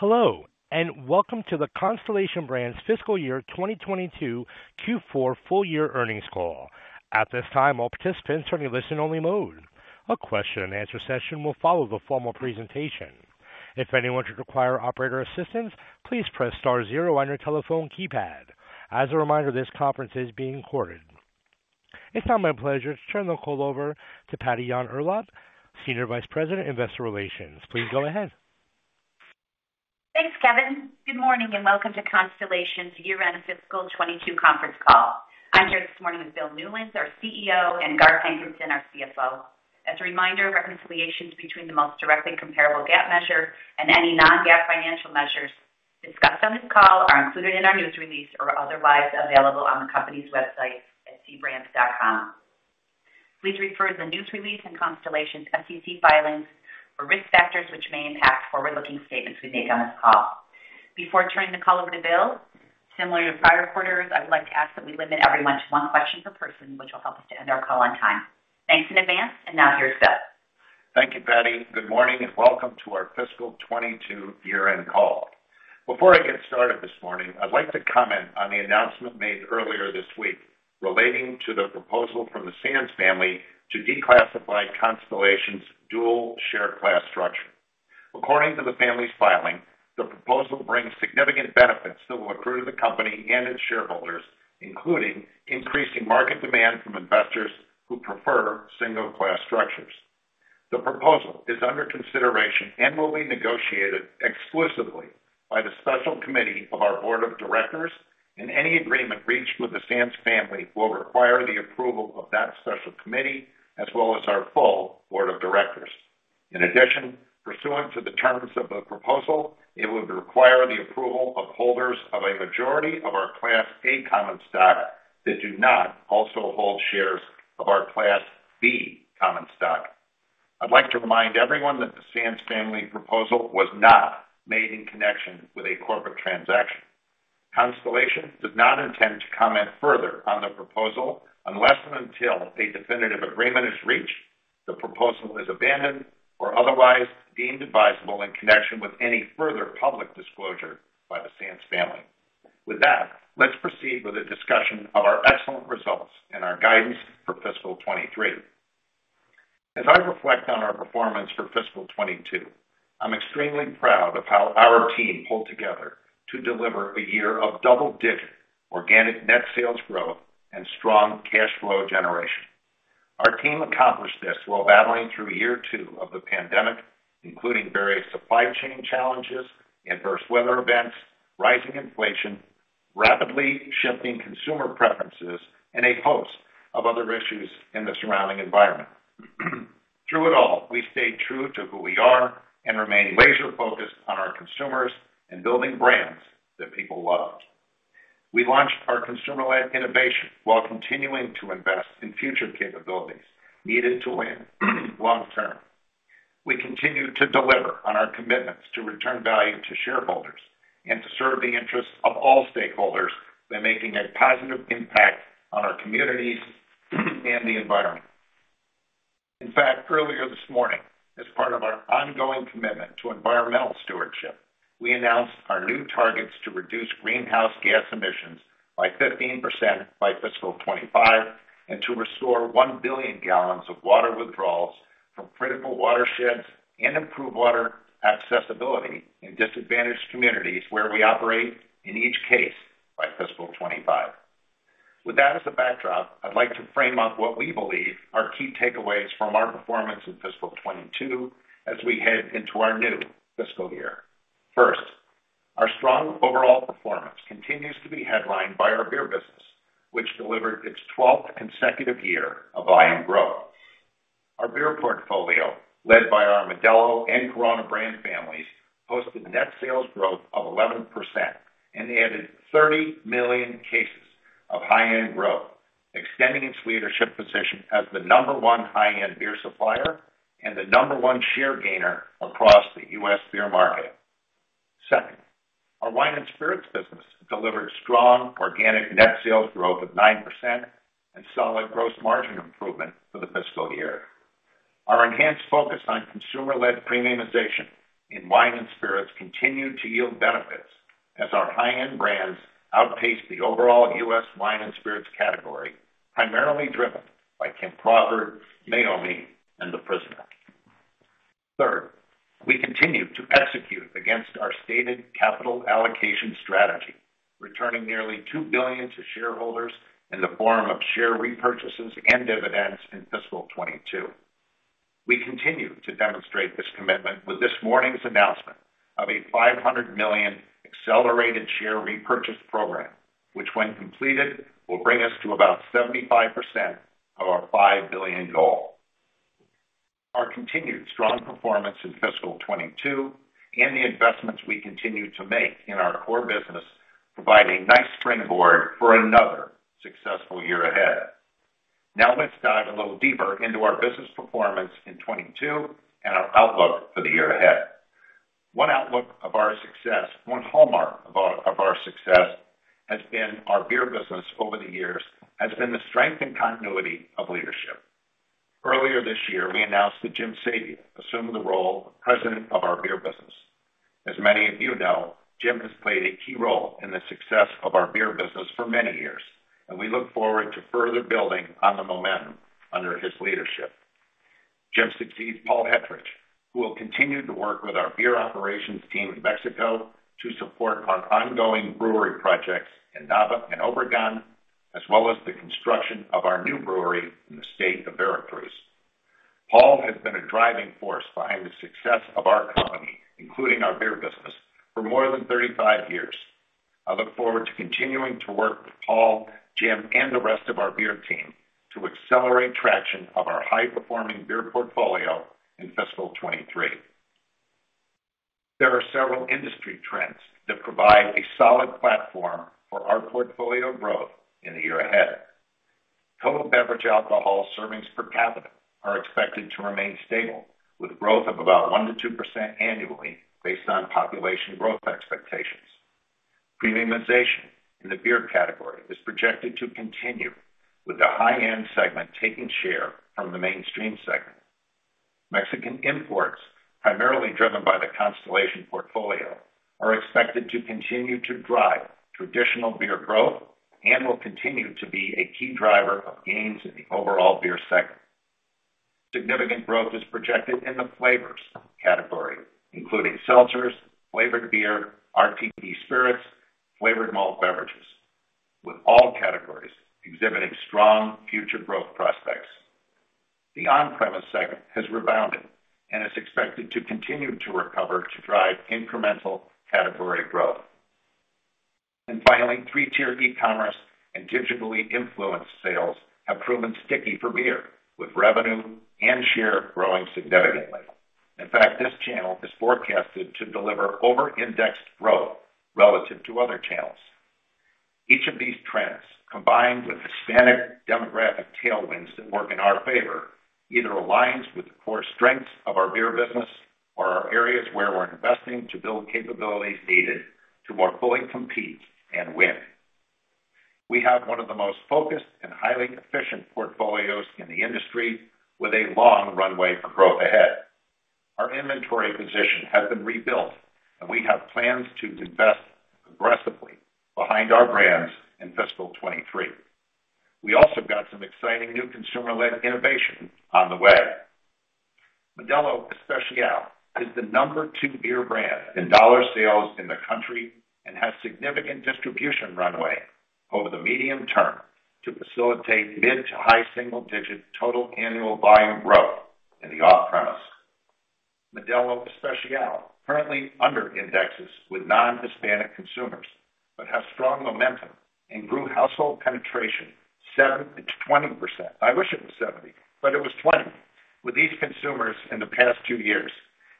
Hello, and welcome to the Constellation Brands Fiscal Year 2022 Q4 full year earnings call. At this time, all participants are in a listen-only mode. A question-and-answer session will follow the formal presentation. If anyone should require operator assistance, please press star zero on your telephone keypad. As a reminder, this conference is being recorded. It's now my pleasure to turn the call over to Patty Yahn-Urlaub, Senior Vice President, Investor Relations. Please go ahead. Thanks, Kevin. Good morning, and welcome to Constellation's year-end fiscal 2022 conference call. I'm here this morning with Bill Newlands, our CEO, and Garth Hankinson, our CFO. As a reminder, reconciliations between the most directly comparable GAAP measure and any non-GAAP financial measures discussed on this call are included in our news release or otherwise available on the company's website at cbrands.com. Please refer to the news release and Constellation's SEC filings for risk factors which may impact forward-looking statements we make on this call. Before turning the call over to Bill, similar to prior quarters, I would like to ask that we limit everyone to one question per person, which will help us to end our call on time. Thanks in advance, and now here's Bill. Thank you, Patty. Good morning, and welcome to our fiscal 2022 year-end call. Before I get started this morning, I'd like to comment on the announcement made earlier this week relating to the proposal from the Sands Family to declassify Constellation's dual share class structure. According to the family's filing, the proposal brings significant benefits that will accrue to the company and its shareholders, including increasing market demand from investors who prefer single class structures. The proposal is under consideration and will be negotiated exclusively by the special committee of our board of directors, and any agreement reached with the Sands Family will require the approval of that Special Committee as well as our full Board of Directors. In addition, pursuant to the terms of the proposal, it would require the approval of holders of a majority of our Class A common stock that do not also hold shares of our Class B common stock. I'd like to remind everyone that the Sands Family proposal was not made in connection with a corporate transaction. Constellation does not intend to comment further on the proposal unless and until a definitive agreement is reached, the proposal is abandoned or otherwise deemed advisable in connection with any further public disclosure by the Sands Family. With that, let's proceed with a discussion of our excellent results and our guidance for fiscal 2023. As I reflect on our performance for fiscal 2022, I'm extremely proud of how our team pulled together to deliver a year of double-digit organic net sales growth and strong cash flow generation. Our team accomplished this while battling through year two of the pandemic, including various supply chain challenges, adverse weather events, rising inflation, rapidly shifting consumer preferences, and a host of other issues in the surrounding environment. Through it all, we stayed true to who we are and remained laser-focused on our consumers and building brands that people loved. We launched our consumer-led innovation while continuing to invest in future capabilities needed to win long term. We continue to deliver on our commitments to return value to shareholders and to serve the interests of all stakeholders by making a positive impact on our communities and the environment. In fact, earlier this morning, as part of our ongoing commitment to environmental stewardship, we announced our new targets to reduce greenhouse gas emissions by 15% by fiscal 2025 and to restore 1 billion gallons of water withdrawals from critical watersheds and improve water accessibility in disadvantaged communities where we operate in each case by fiscal 2025. With that as a backdrop, I'd like to frame up what we believe are key takeaways from our performance in fiscal 2022 as we head into our new fiscal year. First, our strong overall performance continues to be headlined by our Beer business, which delivered its 12th consecutive year of volume growth. Our Beer portfolio, led by our Modelo and Corona brand families, posted net sales growth of 11% and added 30 million cases of high-end growth, extending its leadership position as the number one high-end beer supplier and the number one share gainer across the U.S. beer market. Second, our wine and spirits business delivered strong organic net sales growth of 9% and solid gross margin improvement for the fiscal year. Our enhanced focus on consumer-led premiumization in wine and spirits continued to yield benefits as our high-end brands outpaced the overall U.S. wine and spirits category, primarily driven by Kim Crawford, Meiomi, and The Prisoner. Third, we continue to execute against our stated capital allocation strategy, returning nearly $2 billion to shareholders in the form of share repurchases and dividends in fiscal 2022. We continue to demonstrate this commitment with this morning's announcement of a $500 million accelerated share repurchase program, which, when completed, will bring us to about 75% of our $5 billion goal. Our continued strong performance in fiscal 2022 and the investments we continue to make in our core business provide a nice springboard for another successful year ahead. Now, let's dive a little deeper into our business performance in 2022 and our outlook for the year ahead. One hallmark of our success has been our Beer business over the years, has been the strength and continuity of leadership. Earlier this year, we announced that Jim Sabia assumed the role of President of our Beer business. As many of you know, Jim has played a key role in the success of our Beer business for many years, and we look forward to further building on the momentum under his leadership. Jim succeeds Paul Hetterich, who will continue to work with our beer operations team in Mexico to support our ongoing brewery projects in Nava and Obregón, as well as the construction of our new brewery in the state of Veracruz. Paul has been a driving force behind the success of our company, including our Beer business, for more than 35 years. I look forward to continuing to work with Paul, Jim, and the rest of our Beer team to accelerate traction of our high-performing Beer portfolio in fiscal 2023. There are several industry trends that provide a solid platform for our portfolio growth in the year ahead. Total beverage alcohol servings per capita are expected to remain stable with growth of about 1%-2% annually based on population growth expectations. Premiumization in the beer category is projected to continue, with the high-end segment taking share from the mainstream segment. Mexican imports, primarily driven by the Constellation portfolio, are expected to continue to drive traditional beer growth and will continue to be a key driver of gains in the overall Beer segment. Significant growth is projected in the flavors category, including seltzers, flavored beer, RTD spirits, flavored malt beverages, with all categories exhibiting strong future growth prospects. The on-premise segment has rebounded and is expected to continue to recover to drive incremental category growth. Finally, three-tier e-commerce and digitally influenced sales have proven sticky for beer, with revenue and share growing significantly. In fact, this channel is forecasted to deliver over-indexed growth relative to other channels. Each of these trends, combined with Hispanic demographic tailwinds that work in our favor, either aligns with the core strengths of our Beer business or are areas where we're investing to build capabilities needed to more fully compete and win. We have one of the most focused and highly efficient portfolios in the industry, with a long runway for growth ahead. Our inventory position has been rebuilt, and we have plans to invest aggressively behind our brands in fiscal 2023. We also got some exciting new consumer-led innovation on the way. Modelo Especial is the No. 2 beer brand in dollar sales in the country and has significant distribution runway over the medium term to facilitate mid to high single-digit total annual volume growth in the off-premise. Modelo Especial currently under-indexes with non-Hispanic consumers, but has strong momentum and grew household penetration 7%-20%. I wish it was 70%, but it was 20% with these consumers in the past two years.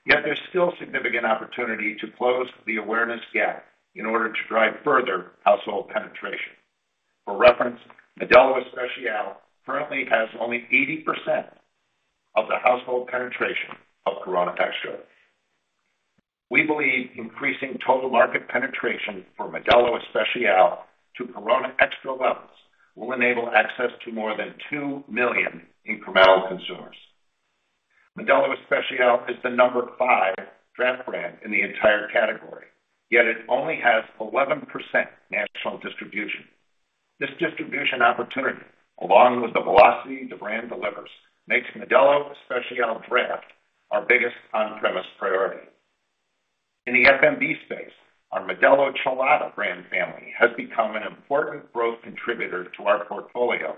Yet there's still significant opportunity to close the awareness gap in order to drive further household penetration. For reference, Modelo Especial currently has only 80% of the household penetration of Corona Extra. We believe increasing total market penetration for Modelo Especial to Corona Extra levels will enable access to more than 2 million incremental consumers. Modelo Especial is the number five draft brand in the entire category, yet it only has 11% national distribution. This distribution opportunity, along with the velocity the brand delivers, makes Modelo Especial draft our biggest on-premise priority. In the FMB space, our Modelo Chelada brand family has become an important growth contributor to our portfolio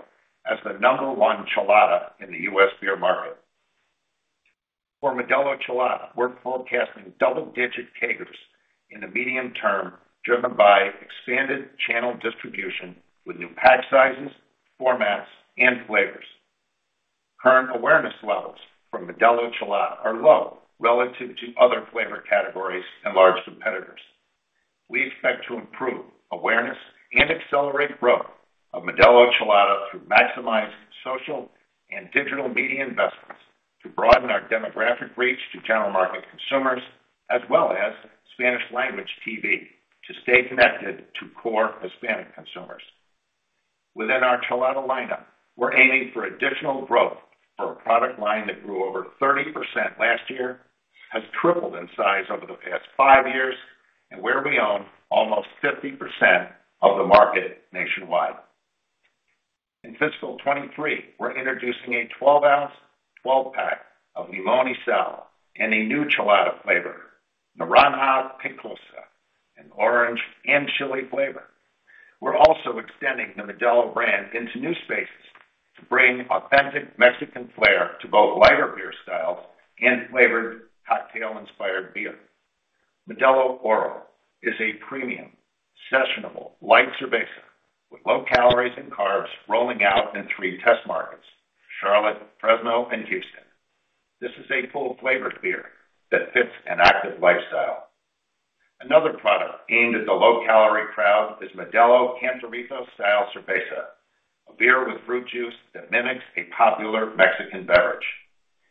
as the No. 1 Chelada in the U.S. beer market. For Modelo Chelada, we're forecasting double-digit CAGRs in the medium term, driven by expanded channel distribution with new pack sizes, formats, and flavors. Current awareness levels for Modelo Chelada are low relative to other flavor categories and large competitors. We expect to improve awareness and accelerate growth of Modelo Chelada through maximized social and digital media investments to broaden our demographic reach to general market consumers, as well as Spanish language TV to stay connected to core Hispanic consumers. Within our Chelada lineup, we're aiming for additional growth for a product line that grew over 30% last year, has tripled in size over the past five years, and where we own almost 50% of the market nationwide. In fiscal 2023, we're introducing a 12 oz, 12-pack of Limón y Sal and a new Chelada flavor, Naranja Picosa, an orange and chili flavor. We're also extending the Modelo brand into new spaces to bring authentic Mexican flair to both lighter beer styles and flavored cocktail-inspired beer. Modelo Oro is a premium, sessionable light cerveza with low calories and carbs rolling out in three test markets, Charlotte, Fresno, and Houston. This is a full flavor beer that fits an active lifestyle. Another product aimed at the low-calorie crowd is Modelo Cantarito-Style Cerveza, a beer with fruit juice that mimics a popular Mexican beverage.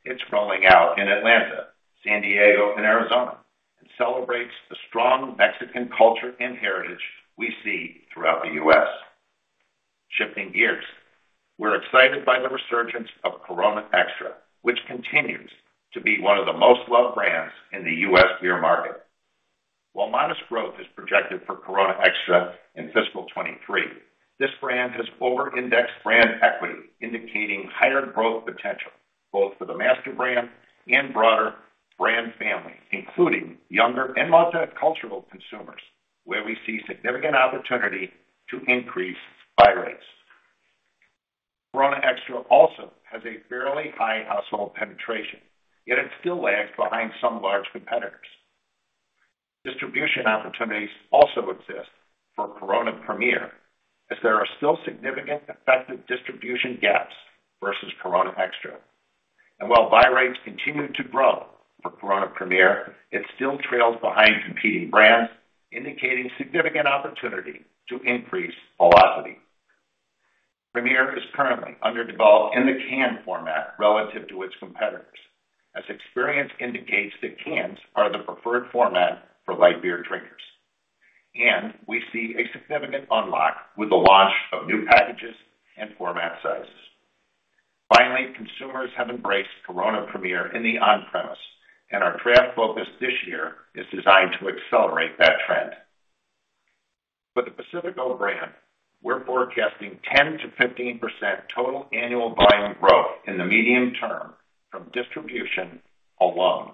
It's rolling out in Atlanta, San Diego, and Arizona, and celebrates the strong Mexican culture and heritage we see throughout the U.S. Shifting gears, we're excited by the resurgence of Corona Extra, which continues to be one of the most loved brands in the U.S. beer market. While modest growth is projected for Corona Extra in fiscal 2023, this brand has over-indexed brand equity, indicating higher growth potential, both for the master brand and broader brand family, including younger and multicultural consumers, where we see significant opportunity to increase buy rates. Corona Extra also has a fairly high household penetration, yet it still lags behind some large competitors. Distribution opportunities also exist for Corona Premier, as there are still significant effective distribution gaps versus Corona Extra. While buy rates continue to grow for Corona Premier, it still trails behind competing brands, indicating significant opportunity to increase velocity. Premier is currently underdeveloped in the can format relative to its competitors, as experience indicates that cans are the preferred format for light beer drinkers. We see a significant unlock with the launch of new packages and format sizes. Finally, consumers have embraced Corona Premier in the on-premise, and our draft focus this year is designed to accelerate that trend. For the Pacifico brand, we're forecasting 10%-15% total annual volume growth in the medium term from distribution alone.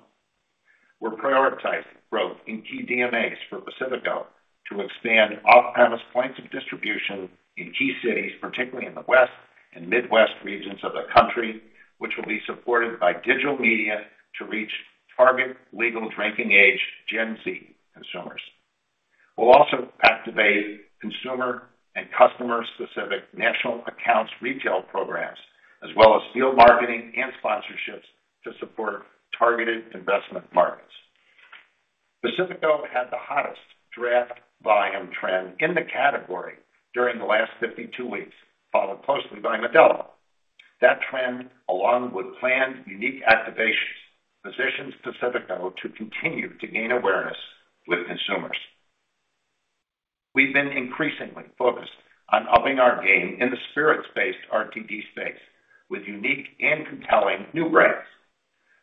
We're prioritizing growth in key DMAs for Pacifico to expand off-premise points of distribution in key cities, particularly in the West and Midwest regions of the country, which will be supported by digital media to reach target legal drinking age Gen Z consumers. We'll also activate consumer and customer-specific national accounts retail programs, as well as field marketing and sponsorships to support targeted investment markets. Pacifico had the hottest draft volume trend in the category during the last 52 weeks, followed closely by Modelo. That trend, along with planned unique activations, positions Pacifico to continue to gain awareness with consumers. We've been increasingly focused on upping our game in the spirits-based RTD space with unique and compelling new brands.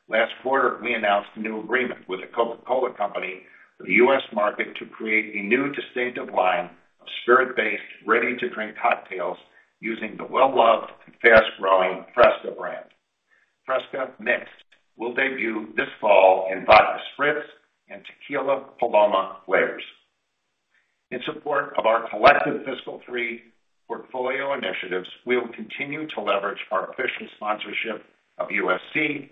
Last quarter, we announced a new agreement with The Coca-Cola Company for the U.S. market to create a new distinctive line of spirit-based ready-to-drink cocktails using the well-loved and fast-growing FRESCA brand. FRESCA Mixed will debut this fall in vodka spritz and tequila Paloma flavors. In support of our collective fiscal 2023 portfolio initiatives, we will continue to leverage our official sponsorship of USC,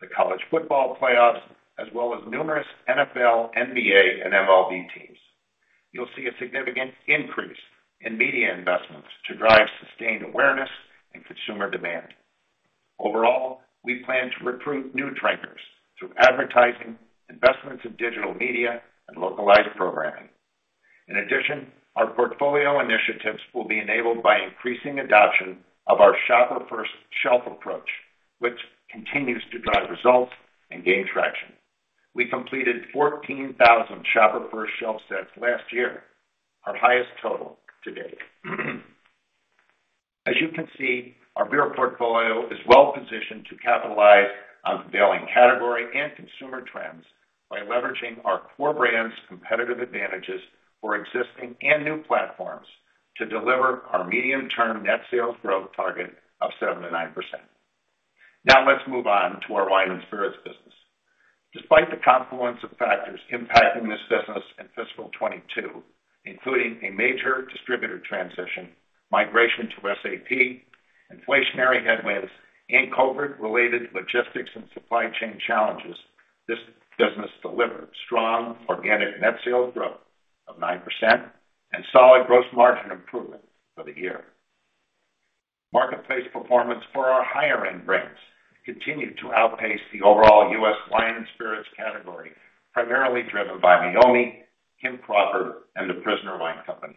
the College Football Playoff, as well as numerous NFL, NBA, and MLB teams. You'll see a significant increase in media investments to drive sustained awareness and consumer demand. Overall, we plan to recruit new drinkers through advertising, investments in digital media, and localized programming. In addition, our portfolio initiatives will be enabled by increasing adoption of our Shopper-First Shelf approach, which continues to drive results and gain traction. We completed 14,000 Shopper-First Shelf sets last year, our highest total to date. As you can see, our Beer portfolio is well positioned to capitalize on prevailing category and consumer trends by leveraging our core brands' competitive advantages for existing and new platforms to deliver our medium-term net sales growth target of 7%-9%. Now let's move on to our Wine and Spirits business. Despite the confluence of factors impacting this business in fiscal 2022, including a major distributor transition, migration to SAP, inflationary headwinds, and COVID-related logistics and supply chain challenges, this business delivered strong organic net sales growth of 9% and solid gross margin improvement for the year. Marketplace performance for our higher-end brands continued to outpace the overall U.S. wine and spirits category, primarily driven by Meiomi, Kim Crawford, and The Prisoner Wine Company.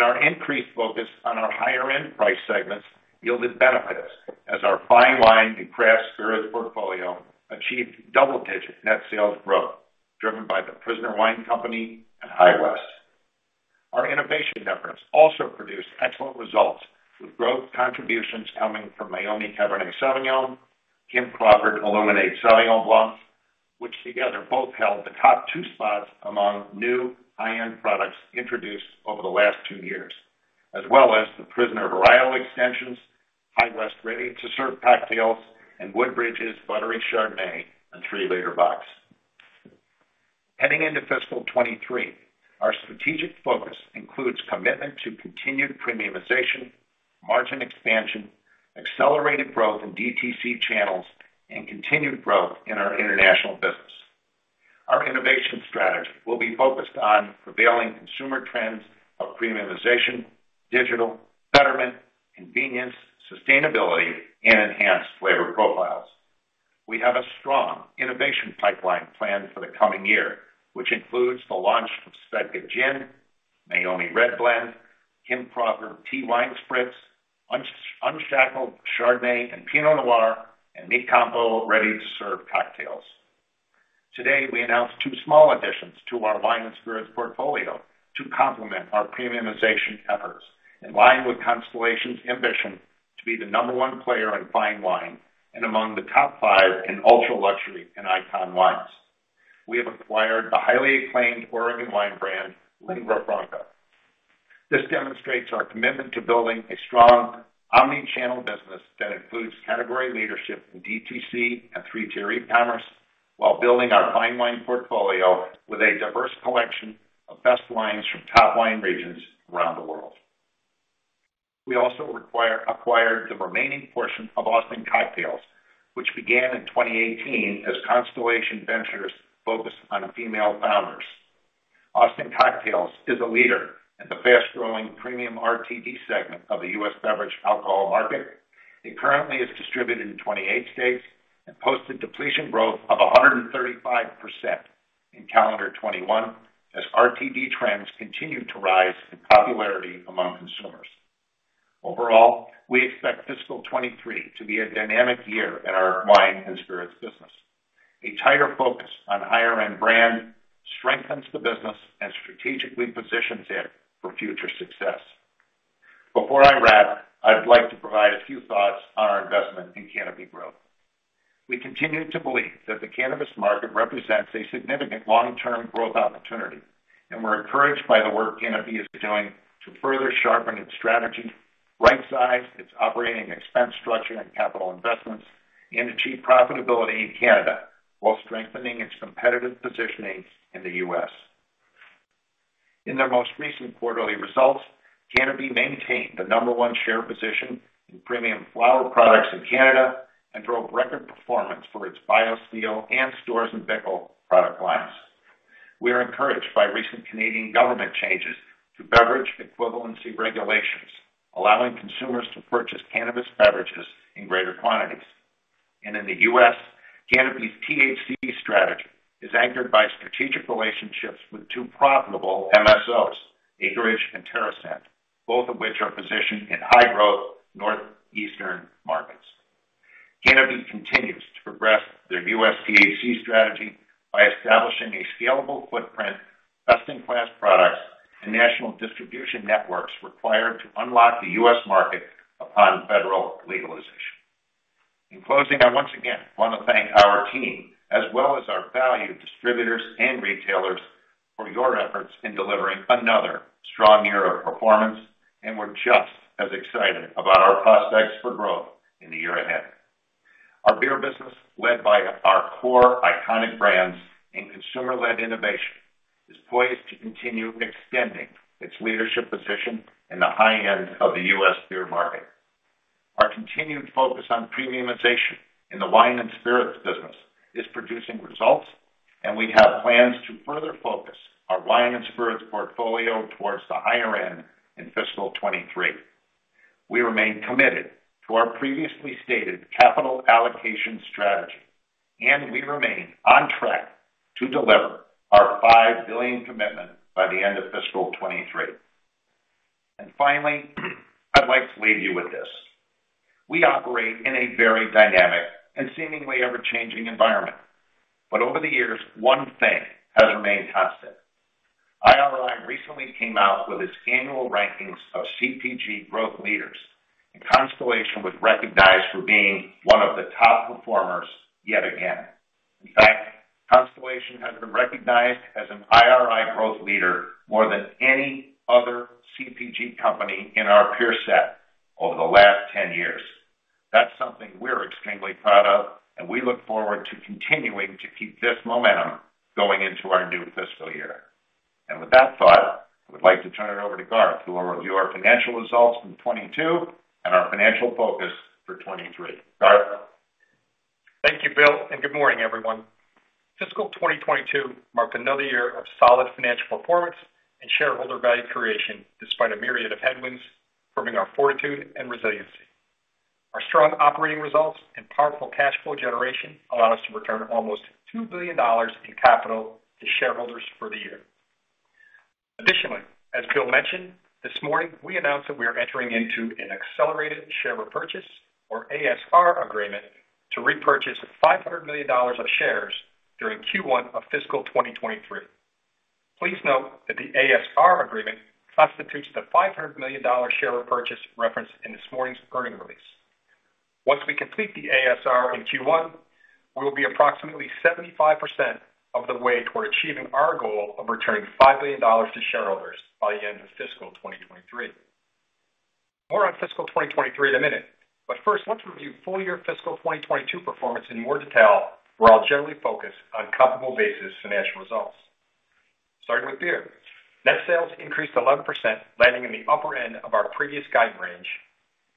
Our increased focus on our higher-end price segments yielded benefits as our Fine Wine and Craft Spirits portfolio achieved double-digit net sales growth, driven by The Prisoner Wine Company and High West. Our innovation efforts also produced excellent results, with growth contributions coming from Meiomi Cabernet Sauvignon, Kim Crawford Illuminate Sauvignon Blanc, which together both held the top two spots among new high-end products introduced over the last two years, as well as The Prisoner varietal extensions, High West ready-to-serve cocktails, and Woodbridge's Buttery Chardonnay in 3 L box. Heading into fiscal 2023, our strategic focus includes commitment to continued premiumization, margin expansion, accelerated growth in DTC channels, and continued growth in our international business. Our innovation strategy will be focused on prevailing consumer trends of premiumization, digital, betterment, convenience, sustainability, and enhanced flavor profiles. We have a strong innovation pipeline planned for the coming year, which includes the launch of SVEDKA Gin, Meiomi Red Blend, Kim Crawford Iced Tea Wine Spritz, Unshackled Chardonnay and Pinot Noir, and Mi CAMPO ready-to-serve cocktails. Today, we announced two small additions to our Wine and Spirits portfolio to complement our premiumization efforts in line with Constellation's ambition to be the number one player in fine wine and among the top five in ultra-luxury and icon wines. We have acquired the highly acclaimed Oregon wine brand, Lingua Franca. This demonstrates our commitment to building a strong omni-channel business that includes category leadership in DTC and three-tier e-commerce while building our Fine Wine portfolio with a diverse collection of best wines from top wine regions around the world. We also acquired the remaining portion of Austin Cocktails, which began in 2018 as Constellation Ventures' Focused on Female Founders. Austin Cocktails is a leader in the fast-growing premium RTD segment of the U.S. beverage alcohol market. It currently is distributed in 28 states and posted depletion growth of 135% in calendar 2021 as RTD trends continue to rise in popularity among consumers. Overall, we expect fiscal 2023 to be a dynamic year in our Wine and Spirits business. A tighter focus on higher-end brand strengthens the business and strategically positions it for future success. Before I wrap, I'd like to provide a few thoughts on our investment in Canopy Growth. We continue to believe that the cannabis market represents a significant long-term growth opportunity, and we're encouraged by the work Canopy is doing to further sharpen its strategy, right-size its operating expense structure and capital investments, and achieve profitability in Canada while strengthening its competitive positioning in the U.S. In their most recent quarterly results, Canopy maintained the number one share position in premium flower products in Canada and drove record performance for its BioSteel and Storz & Bickel product lines. We are encouraged by recent Canadian government changes to beverage equivalency regulations, allowing consumers to purchase cannabis beverages in greater quantities. In the U.S., Canopy's THC strategy is anchored by strategic relationships with two profitable MSOs, Acreage, and TerrAscend, both of which are positioned in high-growth Northeastern markets. Canopy continues to progress their U.S. THC strategy by establishing a scalable footprint, best-in-class products, and national distribution networks required to unlock the U.S. market upon federal legalization. In closing, I once again wanna thank our team as well as our valued distributors and retailers for your efforts in delivering another strong year of performance, and we're just as excited about our prospects for growth in the year ahead. Our Beer business, led by our core iconic brands and consumer-led innovation, is poised to continue extending its leadership position in the high end of the U.S. beer market. Our continued focus on premiumization in the Wine and Spirits business is producing results, and we have plans to further focus our Wine and Spirits portfolio towards the higher end in fiscal 2023. We remain committed to our previously stated capital allocation strategy, and we remain on track to deliver our $5 billion commitment by the end of fiscal 2023. Finally, I'd like to leave you with this. We operate in a very dynamic and seemingly ever-changing environment. Over the years, one thing has remained constant. IRI recently came out with its annual rankings of CPG growth leaders, and Constellation was recognized for being one of the top performers yet again. In fact, Constellation has been recognized as an IRI growth leader more than any other CPG company in our peer set over the last 10 years. That's something we're extremely proud of, and we look forward to continuing to keep this momentum going into our new fiscal year. With that thought, I would like to turn it over to Garth, who will review our financial results in 2022 and our financial focus for 2023. Garth? Thank you, Bill, and good morning, everyone. Fiscal 2022 marked another year of solid financial performance and shareholder value creation despite a myriad of headwinds proving our fortitude and resiliency. Our strong operating results and powerful cash flow generation allowed us to return almost $2 billion in capital to shareholders for the year. Additionally, as Bill mentioned this morning, we announced that we are entering into an accelerated share repurchase or ASR agreement to repurchase $500 million of shares during Q1 of fiscal 2023. Please note that the ASR agreement constitutes the $500 million share repurchase referenced in this morning's earnings release. Once we complete the ASR in Q1, we will be approximately 75% of the way toward achieving our goal of returning $5 billion to shareholders by the end of fiscal 2023. More on fiscal 2023 in a minute, but first, let's review full year fiscal 2022 performance in more detail, where I'll generally focus on comparable basis financial results. Starting with Beer. Net sales increased 11%, landing in the upper end of our previous guide range,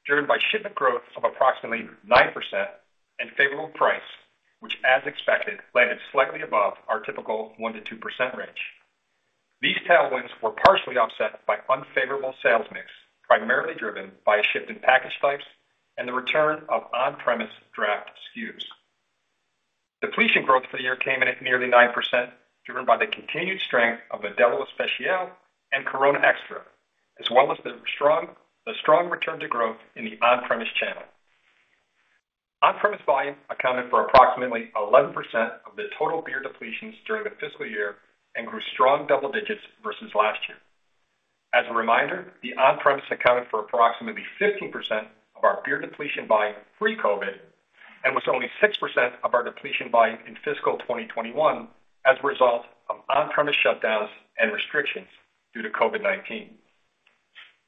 driven by shipment growth of approximately 9% and favorable price, which as expected, landed slightly above our typical 1%-2% range. These tailwinds were partially offset by unfavorable sales mix, primarily driven by a shift in package types and the return of on-premise draft SKUs. Depletion growth for the year came in at nearly 9%, driven by the continued strength of Modelo Especial and Corona Extra, as well as the strong return to growth in the on-premise channel. On-premise volume accounted for approximately 11% of the total beer depletions during the fiscal year and grew strong double digits versus last year. As a reminder, the on-premise accounted for approximately 15% of our beer depletion volume pre-COVID, and was only 6% of our depletion volume in fiscal 2021 as a result of on-premise shutdowns and restrictions due to COVID-19.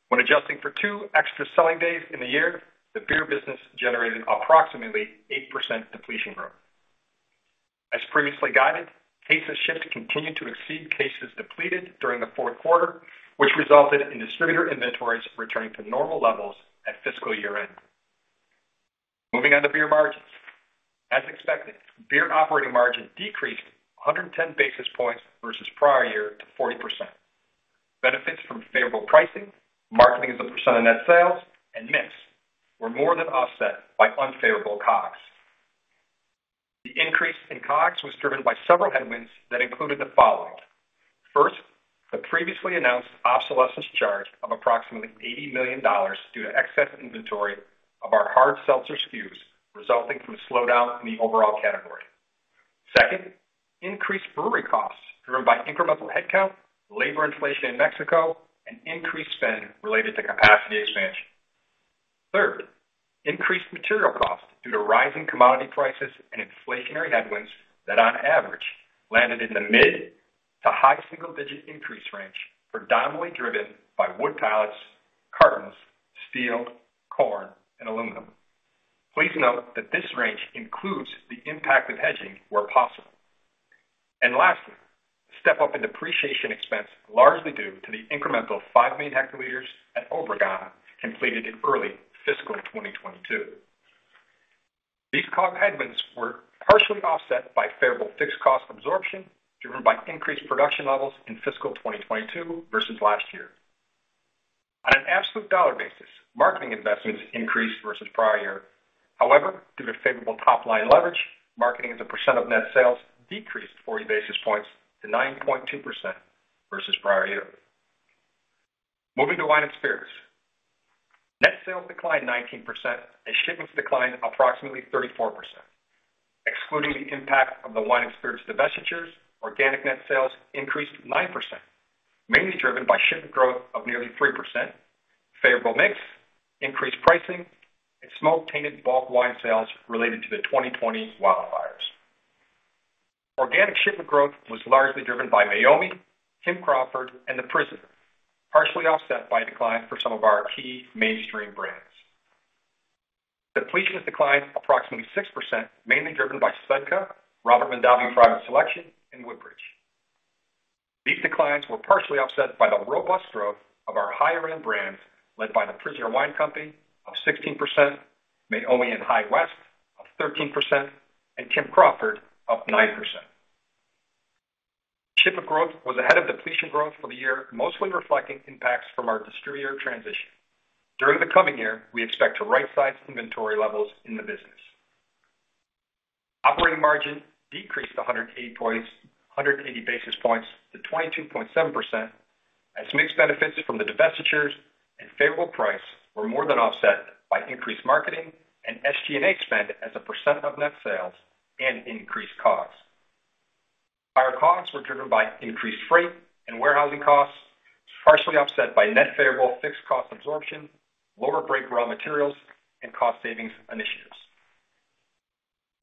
When adjusting for two extra selling days in the year, the Beer business generated approximately 8% depletion growth. As previously guided, cases shipped continued to exceed cases depleted during the fourth quarter, which resulted in distributor inventories returning to normal levels at fiscal year-end. Moving on to Beer margins. As expected, Beer operating margin decreased 110 basis points versus prior year to 40%. Benefits from favorable pricing, marketing as a percent of net sales, and mix were more than offset by unfavorable COGS. The increase in COGS was driven by several headwinds that included the following. First, the previously announced obsolescence charge of approximately $80 million due to excess inventory of our hard seltzer SKUs resulting from slowdown in the overall category. Second, increased brewery costs driven by incremental headcount, labor inflation in Mexico, and increased spend related to capacity expansion. Third, increased material costs due to rising commodity prices and inflationary headwinds that on average landed in the mid to high single-digit increase range, predominantly driven by wood pallets, cartons, steel, corn, and aluminum. Please note that this range includes the impact of hedging where possible. Lastly, step up in depreciation expense, largely due to the incremental 5 million hectoliters at Obregón completed in early fiscal 2022. These COGS headwinds were partially offset by favorable fixed cost absorption driven by increased production levels in fiscal 2022 versus last year. On an absolute dollar basis, marketing investments increased versus prior year. However, due to favorable top line leverage, marketing as a percent of net sales decreased 40 basis points to 9.2% versus prior year. Moving to Wine and Spirits. Net sales declined 19% and shipments declined approximately 34%. Excluding the impact of the wine and spirits divestitures, organic net sales increased 9%, mainly driven by shipment growth of nearly 3%, favorable mix, increased pricing, and smoke-tainted bulk wine sales related to the 2020 wildfires. Organic shipment growth was largely driven by Meiomi, Kim Crawford, and The Prisoner, partially offset by decline for some of our key mainstream brands. Depletions declined approximately 6%, mainly driven by SVEDKA, Robert Mondavi Private Selection, and Woodbridge. These declines were partially offset by the robust growth of our higher-end brands led by The Prisoner Wine Company of 16%, Meiomi and High West of 13%, and Kim Crawford up 9%. Shipment growth was ahead of depletion growth for the year, mostly reflecting impacts from our distributor transition. During the coming year, we expect to right-size inventory levels in the business. Operating margin decreased 180 basis points to 22.7% as mix benefits from the divestitures and favorable price were more than offset by increased marketing and SG&A spend as a percent of net sales and increased costs. Higher costs were driven by increased freight and warehousing costs, partially offset by net favorable fixed cost absorption, lower bulk raw materials, and cost savings initiatives.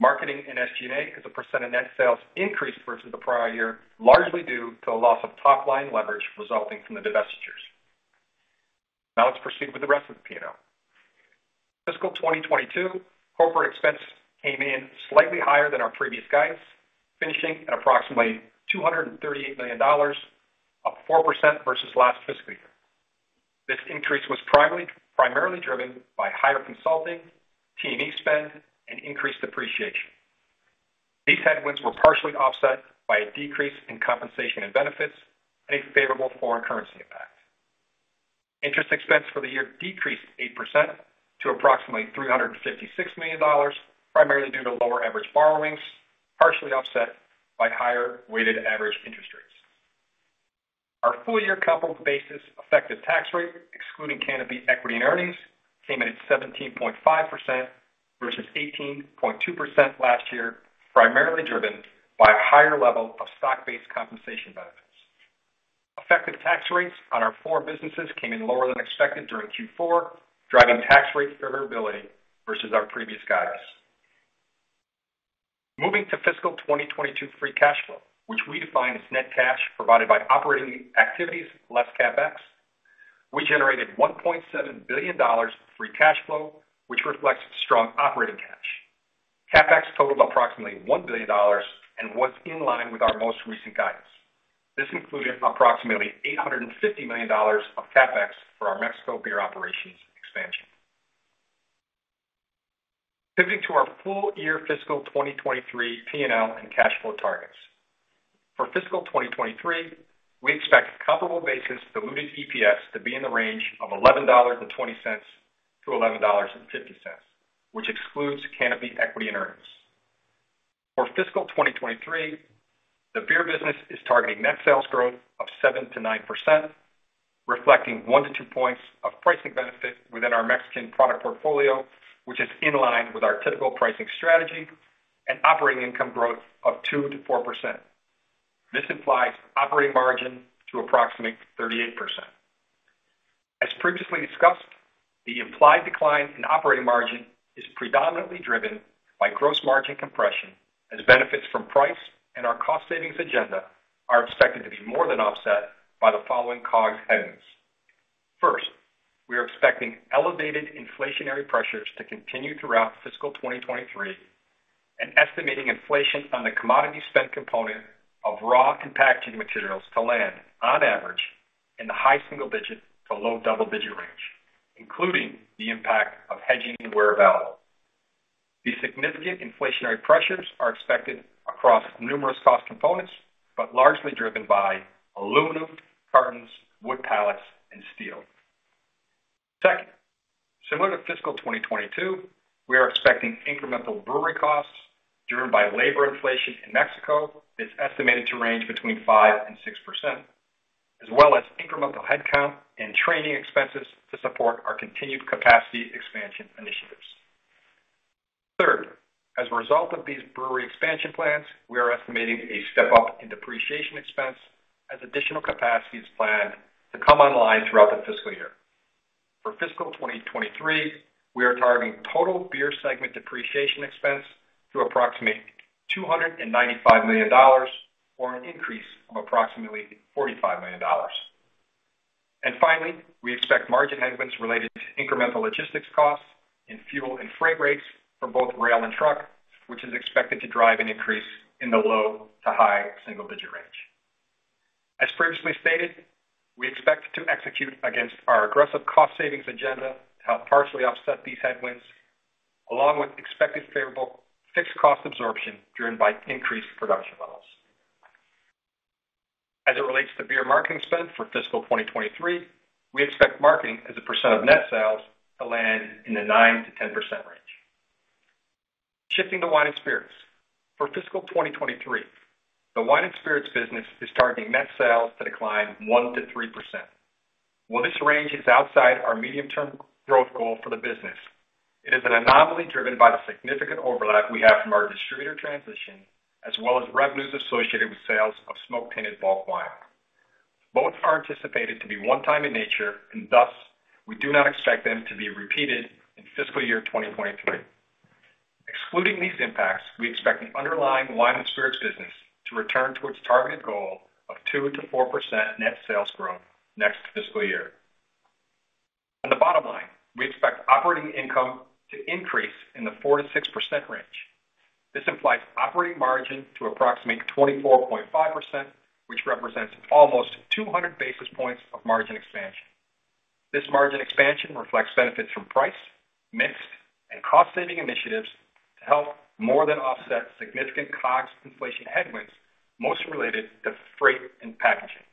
Marketing and SG&A as a percent of net sales increased versus the prior year, largely due to a loss of top-line leverage resulting from the divestitures. Now let's proceed with the rest of the P&L. Fiscal 2022 corporate expense came in slightly higher than our previous guidance, finishing at approximately $238 million, up 4% versus last fiscal year. This increase was primarily driven by higher consulting, T&E spend, and increased depreciation. These headwinds were partially offset by a decrease in compensation and benefits and a favorable foreign currency impact. Interest expense for the year decreased 8% to approximately $356 million, primarily due to lower average borrowings, partially offset by higher weighted average interest rates. Our full-year coupled basis effective tax rate, excluding Canopy equity and earnings, came in at 17.5% versus 18.2% last year, primarily driven by a higher level of stock-based compensation benefits. Effective tax rates on our four businesses came in lower than expected during Q4, driving tax rate variability versus our previous guidance. Moving to fiscal 2022 free cash flow, which we define as net cash provided by operating activities less CapEx, we generated $1.7 billion of free cash flow, which reflects strong operating cash. CapEx totaled approximately $1 billion and was in line with our most recent guidance. This included approximately $850 million of CapEx for our Mexico beer operations expansion. Pivoting to our full year fiscal 2023 P&L and cash flow targets. For fiscal 2023, we expect comparable basis diluted EPS to be in the range of $11.20-$11.50, which excludes Canopy equity earnings. For fiscal 2023, the Beer business is targeting net sales growth of 7%-9%, reflecting 1-2 points of pricing benefit within our Mexican product portfolio, which is in line with our typical pricing strategy and operating income growth of 2%-4%. This implies operating margin to approximate 38%. As previously discussed, the implied decline in operating margin is predominantly driven by gross margin compression, as benefits from price and our cost savings agenda are expected to be more than offset by the following COGS headwinds. First, we are expecting elevated inflationary pressures to continue throughout fiscal 2023 and estimating inflation on the commodity spend component of raw and packaging materials to land on average in the high single-digit to low double-digit range, including the impact of hedging where available. These significant inflationary pressures are expected across numerous cost components, but largely driven by aluminum, cartons, wood pallets, and steel. Second, similar to fiscal 2022, we are expecting incremental brewery costs driven by labor inflation in Mexico that's estimated to range between 5% and 6%, as well as incremental headcount and training expenses to support our continued capacity expansion initiatives. Third, as a result of these brewery expansion plans, we are estimating a step-up in depreciation expense as additional capacity is planned to come online throughout the fiscal year. For fiscal 2023, we are targeting total Beer segment depreciation expense to approximate $295 million, or an increase of approximately $45 million. Finally, we expect margin headwinds related to incremental logistics costs in fuel and freight rates for both rail and truck, which is expected to drive an increase in the low to high single-digit range. As previously stated, we expect to execute against our aggressive cost savings agenda to help partially offset these headwinds, along with expected favorable fixed cost absorption driven by increased production levels. As it relates to beer marketing spend for fiscal 2023, we expect marketing as a percent of net sales to land in the 9%-10% range. Shifting to Wine and Spirits. For fiscal 2023, the Wine and Spirits business is targeting net sales to decline 1%-3%. While this range is outside our medium-term growth goal for the business, it is an anomaly driven by the significant overlap we have from our distributor transition, as well as revenues associated with sales of smoke-tainted bulk wine. Both are anticipated to be one-time in nature, and thus, we do not expect them to be repeated in fiscal year 2023. Excluding these impacts, we expect an underlying Wine and Spirits business to return to its targeted goal of 2%-4% net sales growth next fiscal year. On the bottom line, we expect operating income to increase in the 4%-6% range. This implies operating margin to approximate 24.5%, which represents almost 200 basis points of margin expansion. This margin expansion reflects benefits from price, mix, and cost saving initiatives to help more than offset significant COGS inflation headwinds, most related to freight and packaging.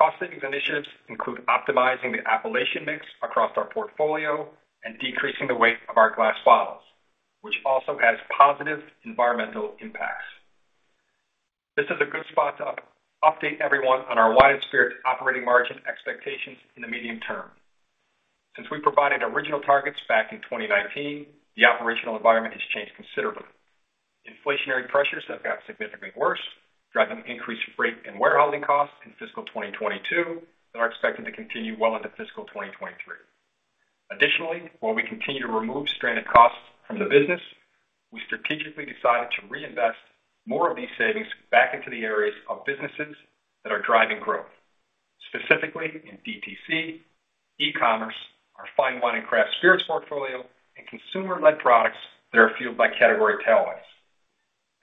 Cost savings initiatives include optimizing the appellation mix across our portfolio and decreasing the weight of our glass bottles, which also has positive environmental impacts. This is a good spot to update everyone on our Wine and Spirits operating margin expectations in the medium term. Since we provided original targets back in 2019, the operational environment has changed considerably. Inflationary pressures have got significantly worse, driving increased freight and warehousing costs in fiscal 2022 that are expected to continue well into fiscal 2023. Additionally, while we continue to remove stranded costs from the business, we strategically decided to reinvest more of these savings back into the areas of businesses that are driving growth, specifically in DTC, e-commerce, our Fine Wine and Craft Spirits portfolio, and consumer-led products that are fueled by category tailwinds.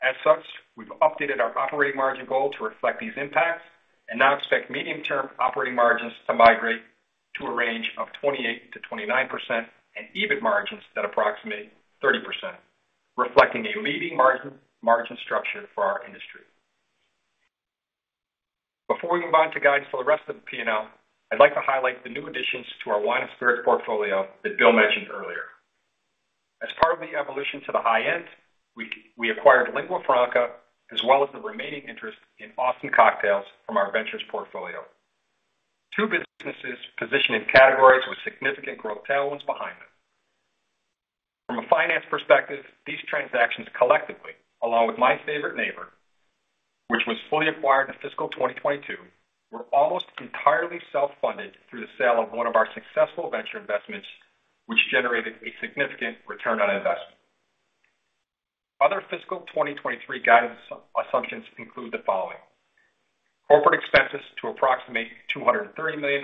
As such, we've updated our operating margin goal to reflect these impacts and now expect medium-term operating margins to migrate to a range of 28%-29% and EBIT margins at approximately 30%, reflecting a leading margin structure for our industry. Before we move on to guidance for the rest of the P&L, I'd like to highlight the new additions to our Wine and Spirits portfolio that Bill mentioned earlier. As part of the evolution to the high end, we acquired Lingua Franca, as well as the remaining interest in Austin Cocktails from our Ventures portfolio. Two businesses positioned in categories with significant growth tailwinds behind them. From a finance perspective, these transactions collectively, along with My Favorite Neighbor, which was fully acquired in fiscal 2022, were almost entirely self-funded through the sale of one of our successful venture investments, which generated a significant return on investment. Other fiscal 2023 guidance assumptions include the following. Corporate expenses to approximate $230 million,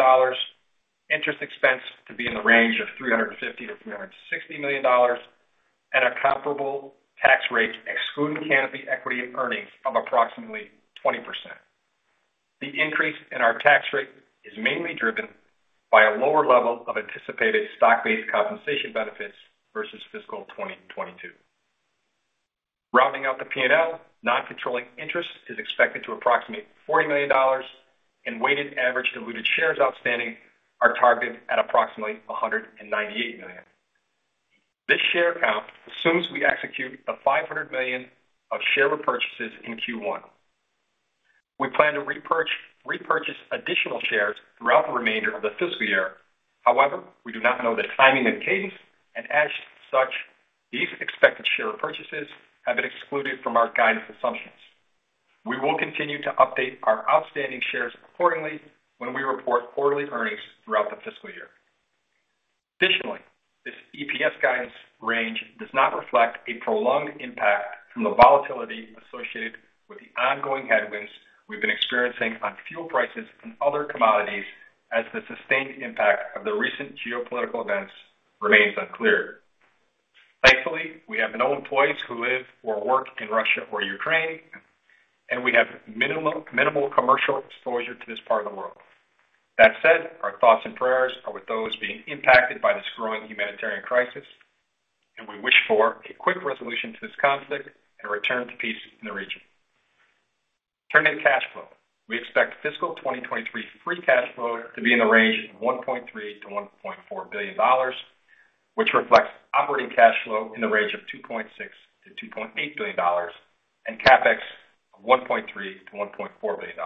interest expense to be in the range of $350 million-$360 million, and a comparable tax rate excluding Canopy equity earnings of approximately 20%. The increase in our tax rate is mainly driven by a lower level of anticipated stock-based compensation benefits versus fiscal 2022. Rounding out the P&L, non-controlling interest is expected to approximate $40 million and weighted average diluted shares outstanding are targeted at approximately 198 million. This share count assumes we execute $500 million of share repurchases in Q1. We plan to repurchase additional shares throughout the remainder of the fiscal year. However, we do not know the timing and cadence, and as such, these expected share purchases have been excluded from our guidance assumptions. We will continue to update our outstanding shares accordingly when we report quarterly earnings throughout the fiscal year. Additionally, this EPS guidance range does not reflect a prolonged impact from the volatility associated with the ongoing headwinds we've been experiencing on fuel prices and other commodities, as the sustained impact of the recent geopolitical events remains unclear. Thankfully, we have no employees who live or work in Russia or Ukraine, and we have minimal commercial exposure to this part of the world. That said, our thoughts and prayers are with those being impacted by this growing humanitarian crisis, and we wish for a quick resolution to this conflict and a return to peace in the region. Turning to cash flow. We expect fiscal 2023 free cash flow to be in the range of $1.3 billion-$1.4 billion, which reflects operating cash flow in the range of $2.6 billion-$2.8 billion and CapEx of $1.3 billion-$1.4 billion,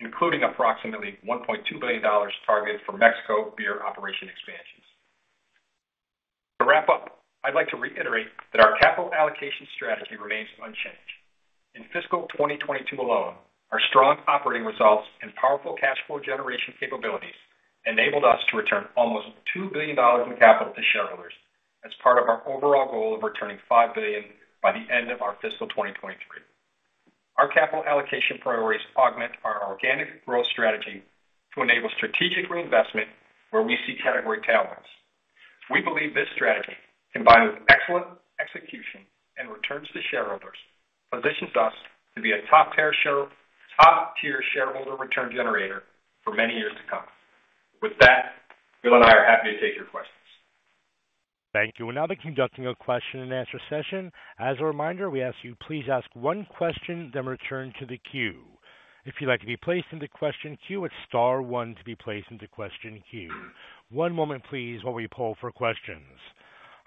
including approximately $1.2 billion targeted for Mexico beer operation expansions. To wrap up, I'd like to reiterate that our capital allocation strategy remains unchanged. In fiscal 2022 alone, our strong operating results and powerful cash flow generation capabilities enabled us to return almost $2 billion in capital to shareholders as part of our overall goal of returning $5 billion by the end of our fiscal 2023. Our capital allocation priorities augment our organic growth strategy to enable strategic reinvestment where we see category tailwinds. We believe this strategy, combined with excellent execution and returns to shareholders, positions us to be a top-tier shareholder return generator for many years to come. With that, Bill and I are happy to take your questions. Thank you. We'll now be conducting a question-and-answer session. As a reminder, we ask you please ask one question, then return to the queue. If you'd like to be placed into question queue, it's star one to be placed into question queue. One moment please, while we poll for questions.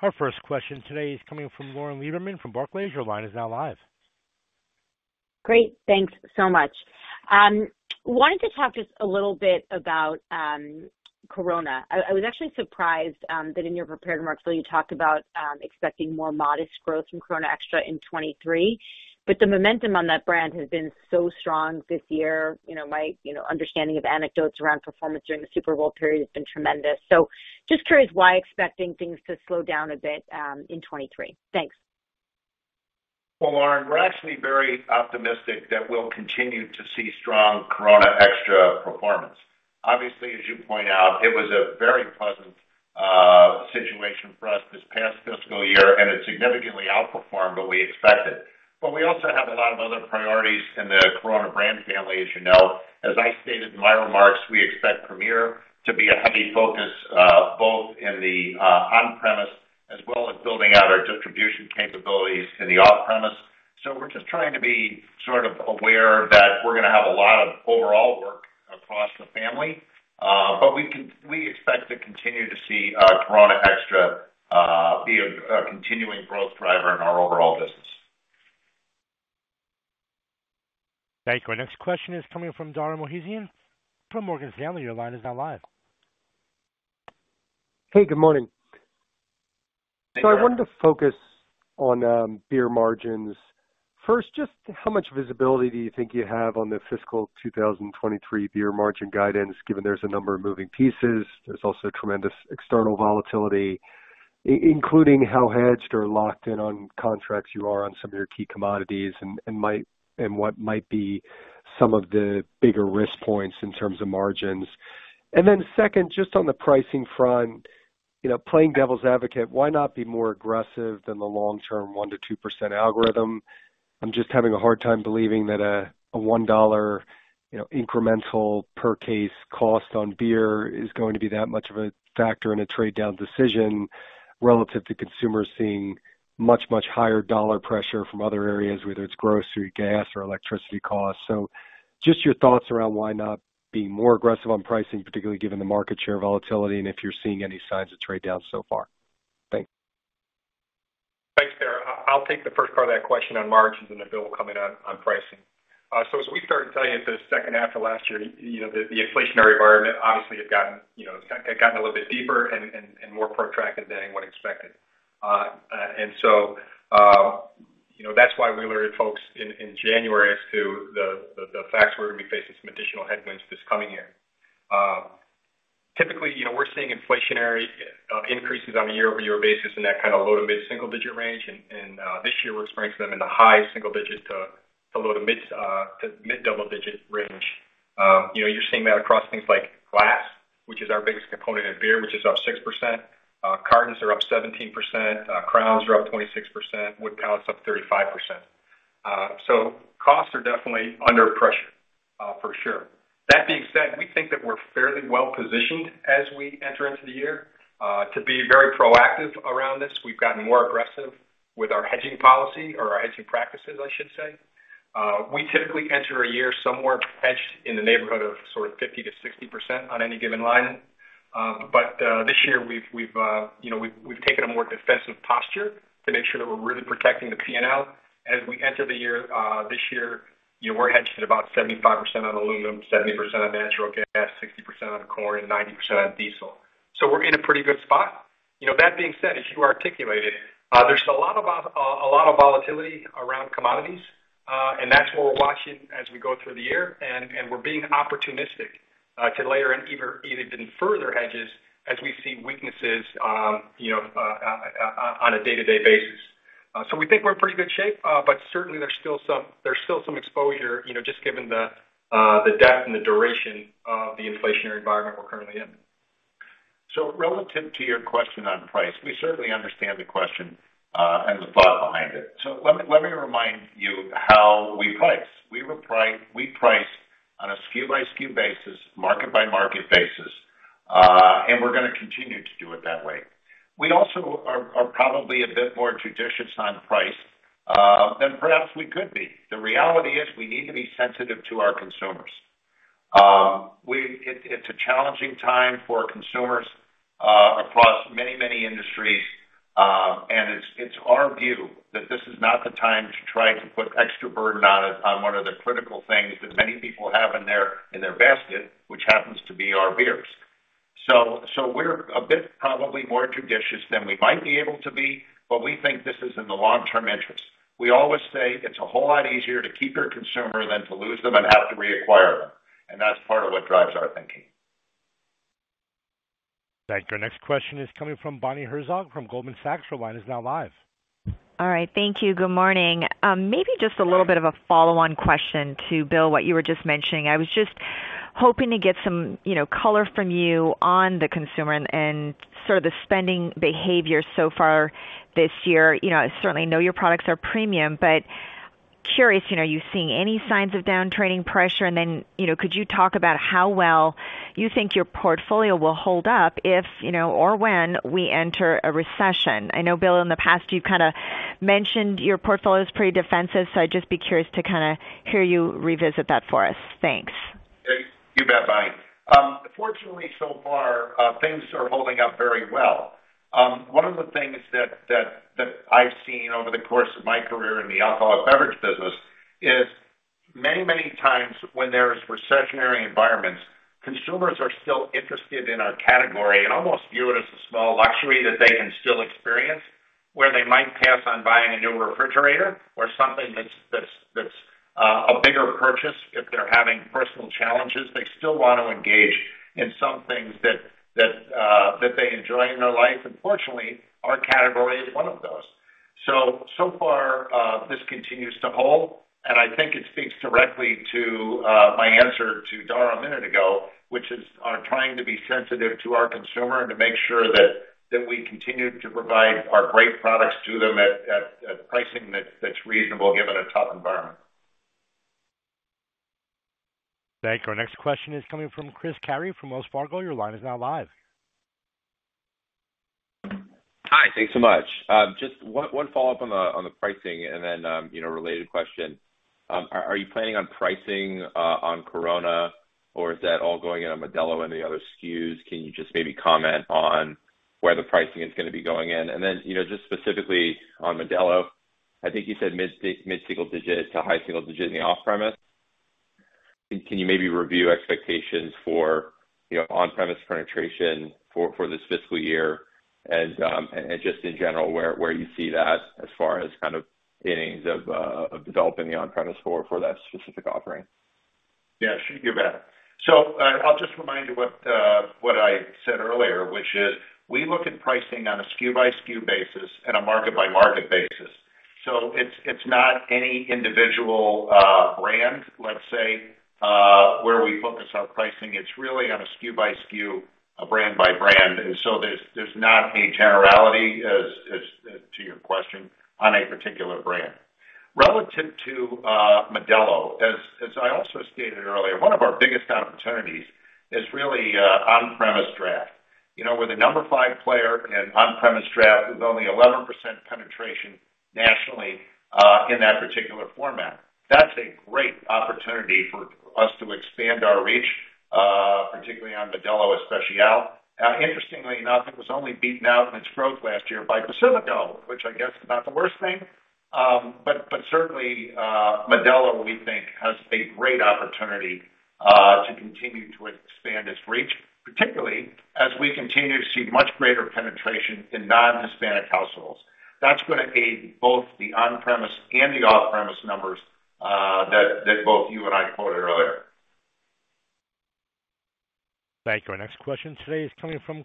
Our first question today is coming from Lauren Lieberman from Barclays. Your line is now live. Great. Thanks so much. Wanted to talk just a little bit about Corona. I was actually surprised that in your prepared remarks earlier you talked about expecting more modest growth from Corona Extra in 2023, but the momentum on that brand has been so strong this year. You know, my understanding of anecdotes around performance during the Super Bowl period has been tremendous. Just curious why expecting things to slow down a bit in 2023? Thanks. Well, Lauren, we're actually very optimistic that we'll continue to see strong Corona Extra performance. Obviously, as you point out, it was a very pleasant situation for us this past fiscal year, and it significantly outperformed what we expected. We also have a lot of other priorities in the Corona brand family, as you know. As I stated in my remarks, we expect Premier to be a heavy focus, both in the on-premise as well as building out our distribution capabilities in the off-premise. We're just trying to be sort of aware that we're gonna have a lot of overall work across the family, but we expect to continue to see Corona Extra be a continuing growth driver in our overall business. Thank you. Our next question is coming from Dara Mohsenian from Morgan Stanley. Your line is now live. Hey, good morning. Hey, Dara. I wanted to focus on Beer margins. First, just how much visibility do you think you have on the fiscal 2023 Beer margin guidance, given there's a number of moving pieces? There's also tremendous external volatility, including how hedged or locked in on contracts you are on some of your key commodities and what might be some of the bigger risk points in terms of margins. Second, just on the pricing front, you know, playing devil's advocate, why not be more aggressive than the long-term 1%-2% algorithm? I'm just having a hard time believing that a $1, you know, incremental per case cost on beer is going to be that much of a factor in a trade down decision relative to consumers seeing much, much higher dollar pressure from other areas, whether it's grocery, gas or electricity costs. Just your thoughts around why not be more aggressive on pricing, particularly given the market share volatility and if you're seeing any signs of trade down so far? Thanks. Thanks, Dara. I'll take the first part of that question on margins, and then Bill will comment on pricing. As we started telling you at the second half of last year, you know, the inflationary environment obviously had gotten a little bit deeper and more protracted than anyone expected. You know, that's why we alerted folks in January as to the facts we're gonna be facing some additional headwinds this coming year. Typically, you know, we're seeing inflationary increases on a year-over-year basis in that kind of low to mid single-digit range. This year we're experiencing them in the high single-digit to low to mid, mid double-digit range. You know, you're seeing that across things like glass, which is our biggest component in beer, which is up 6%. Cartons are up 17%. Crowns are up 26%. Wood pallets up 35%. Costs are definitely under pressure, for sure. That being said, we think that we're fairly well-positioned as we enter into the year to be very proactive around this. We've gotten more aggressive with our hedging policy or our hedging practices, I should say. We typically enter a year somewhere hedged in the neighborhood of sort of 50%-60% on any given line. This year, we've taken a more defensive posture to make sure that we're really protecting the P&L. As we enter the year, this year, you know, we're hedged at about 75% on aluminum, 70% on natural gas, 60% on corn, 90% on diesel. We're in a pretty good spot. You know, that being said, as you articulated, there's a lot of volatility around commodities, and that's what we're watching as we go through the year, and we're being opportunistic to layer in even further hedges as we see weaknesses, you know, on a day-to-day basis. We think we're in pretty good shape, but certainly there's still some exposure, you know, just given the depth and the duration of the inflationary environment we're currently in. Relative to your question on price, we certainly understand the question, and the thought behind it. Let me remind you how we price. We price on a SKU by SKU basis, market by market basis, and we're gonna continue to do it that way. We also are probably a bit more judicious on price than perhaps we could be. The reality is we need to be sensitive to our consumers. It's a challenging time for consumers across many industries. It's our view that this is not the time to try to put extra burden on one of the critical things that many people have in their basket, which happens to be our beers. We're a bit probably more judicious than we might be able to be, but we think this is in the long-term interest. We always say it's a whole lot easier to keep your consumer than to lose them and have to reacquire them, and that's part of what drives our thinking. Thank you. Our next question is coming from Bonnie Herzog from Goldman Sachs. Your line is now live. All right. Thank you. Good morning. Maybe just a little bit of a follow-on question to Bill, what you were just mentioning. I was just hoping to get some, you know, color from you on the consumer and sort of the spending behavior so far this year. You know, I certainly know your products are premium, but curious, you know, are you seeing any signs of downtrending pressure? And then, you know, could you talk about how well you think your portfolio will hold up if, you know, or when we enter a recession? I know, Bill, in the past, you've kind of mentioned your portfolio is pretty defensive, so I'd just be curious to kind of hear you revisit that for us. Thanks. You bet, Bonnie. Fortunately, so far, things are holding up very well. One of the things that I've seen over the course of my career in the alcoholic beverage business is many, many times when there's recessionary environments, consumers are still interested in our category and almost view it as a small luxury that they can still experience, where they might pass on buying a new refrigerator or something that's a bigger purchase if they're having personal challenges. They still want to engage in some things that they enjoy in their life. Fortunately, our category is one of those. So far, this continues to hold, and I think it speaks directly to my answer to Dara a minute ago, which is on trying to be sensitive to our consumer to make sure that we continue to provide our great products to them at pricing that's reasonable given a tough environment. Thank you. Our next question is coming from Chris Carey from Wells Fargo. Your line is now live. Hi. Thanks so much. Just one follow-up on the pricing and then, you know, a related question. Are you planning on pricing on Corona or is that all going into Modelo and the other SKUs? Can you just maybe comment on where the pricing is gonna be going in? And then, you know, just specifically on Modelo, I think you said mid single-digit to high single-digit in the off-premise. Can you maybe review expectations for, you know, on-premise penetration for this fiscal year and just in general, where you see that as far as kind of innings of developing the on-premise for that specific offering? Yeah, sure. You bet. I'll just remind you what I said earlier, which is we look at pricing on a SKU by SKU basis and a market by market basis. It's not any individual brand, let's say, where we focus our pricing. It's really on a SKU by SKU, a brand by brand. There's not a generality as to your question on a particular brand. Relative to Modelo, as I also stated earlier, one of our biggest opportunities is really on-premise draft. You know, we're the number five player in on-premise draft with only 11% penetration nationally in that particular format. That's a great opportunity for us to expand our reach, particularly on Modelo Especial. Interestingly enough, it was only beaten out in its growth last year by Pacifico, which I guess is not the worst thing. Certainly, Modelo, we think, has a great opportunity to continue to expand its reach, particularly as we continue to see much greater penetration in non-Hispanic households. That's gonna aid both the on-premise and the off-premise numbers, that both you and I quoted earlier. Thank you. Our next question today is coming from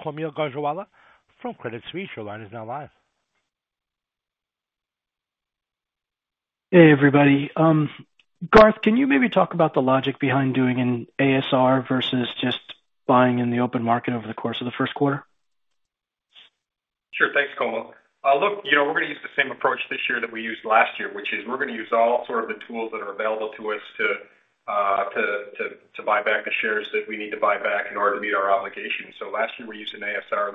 Kaumil Gajrawala from Credit Suisse. Your line is now live. Hey, everybody. Garth, can you maybe talk about the logic behind doing an ASR versus just buying in the open market over the course of the first quarter? Sure. Thanks, Kaumil. Look, you know, we're gonna use the same approach this year that we used last year, which is we're gonna use all sorts of the tools that are available to us to buy back the shares that we need to buy back in order to meet our obligations. Last year, we used an ASR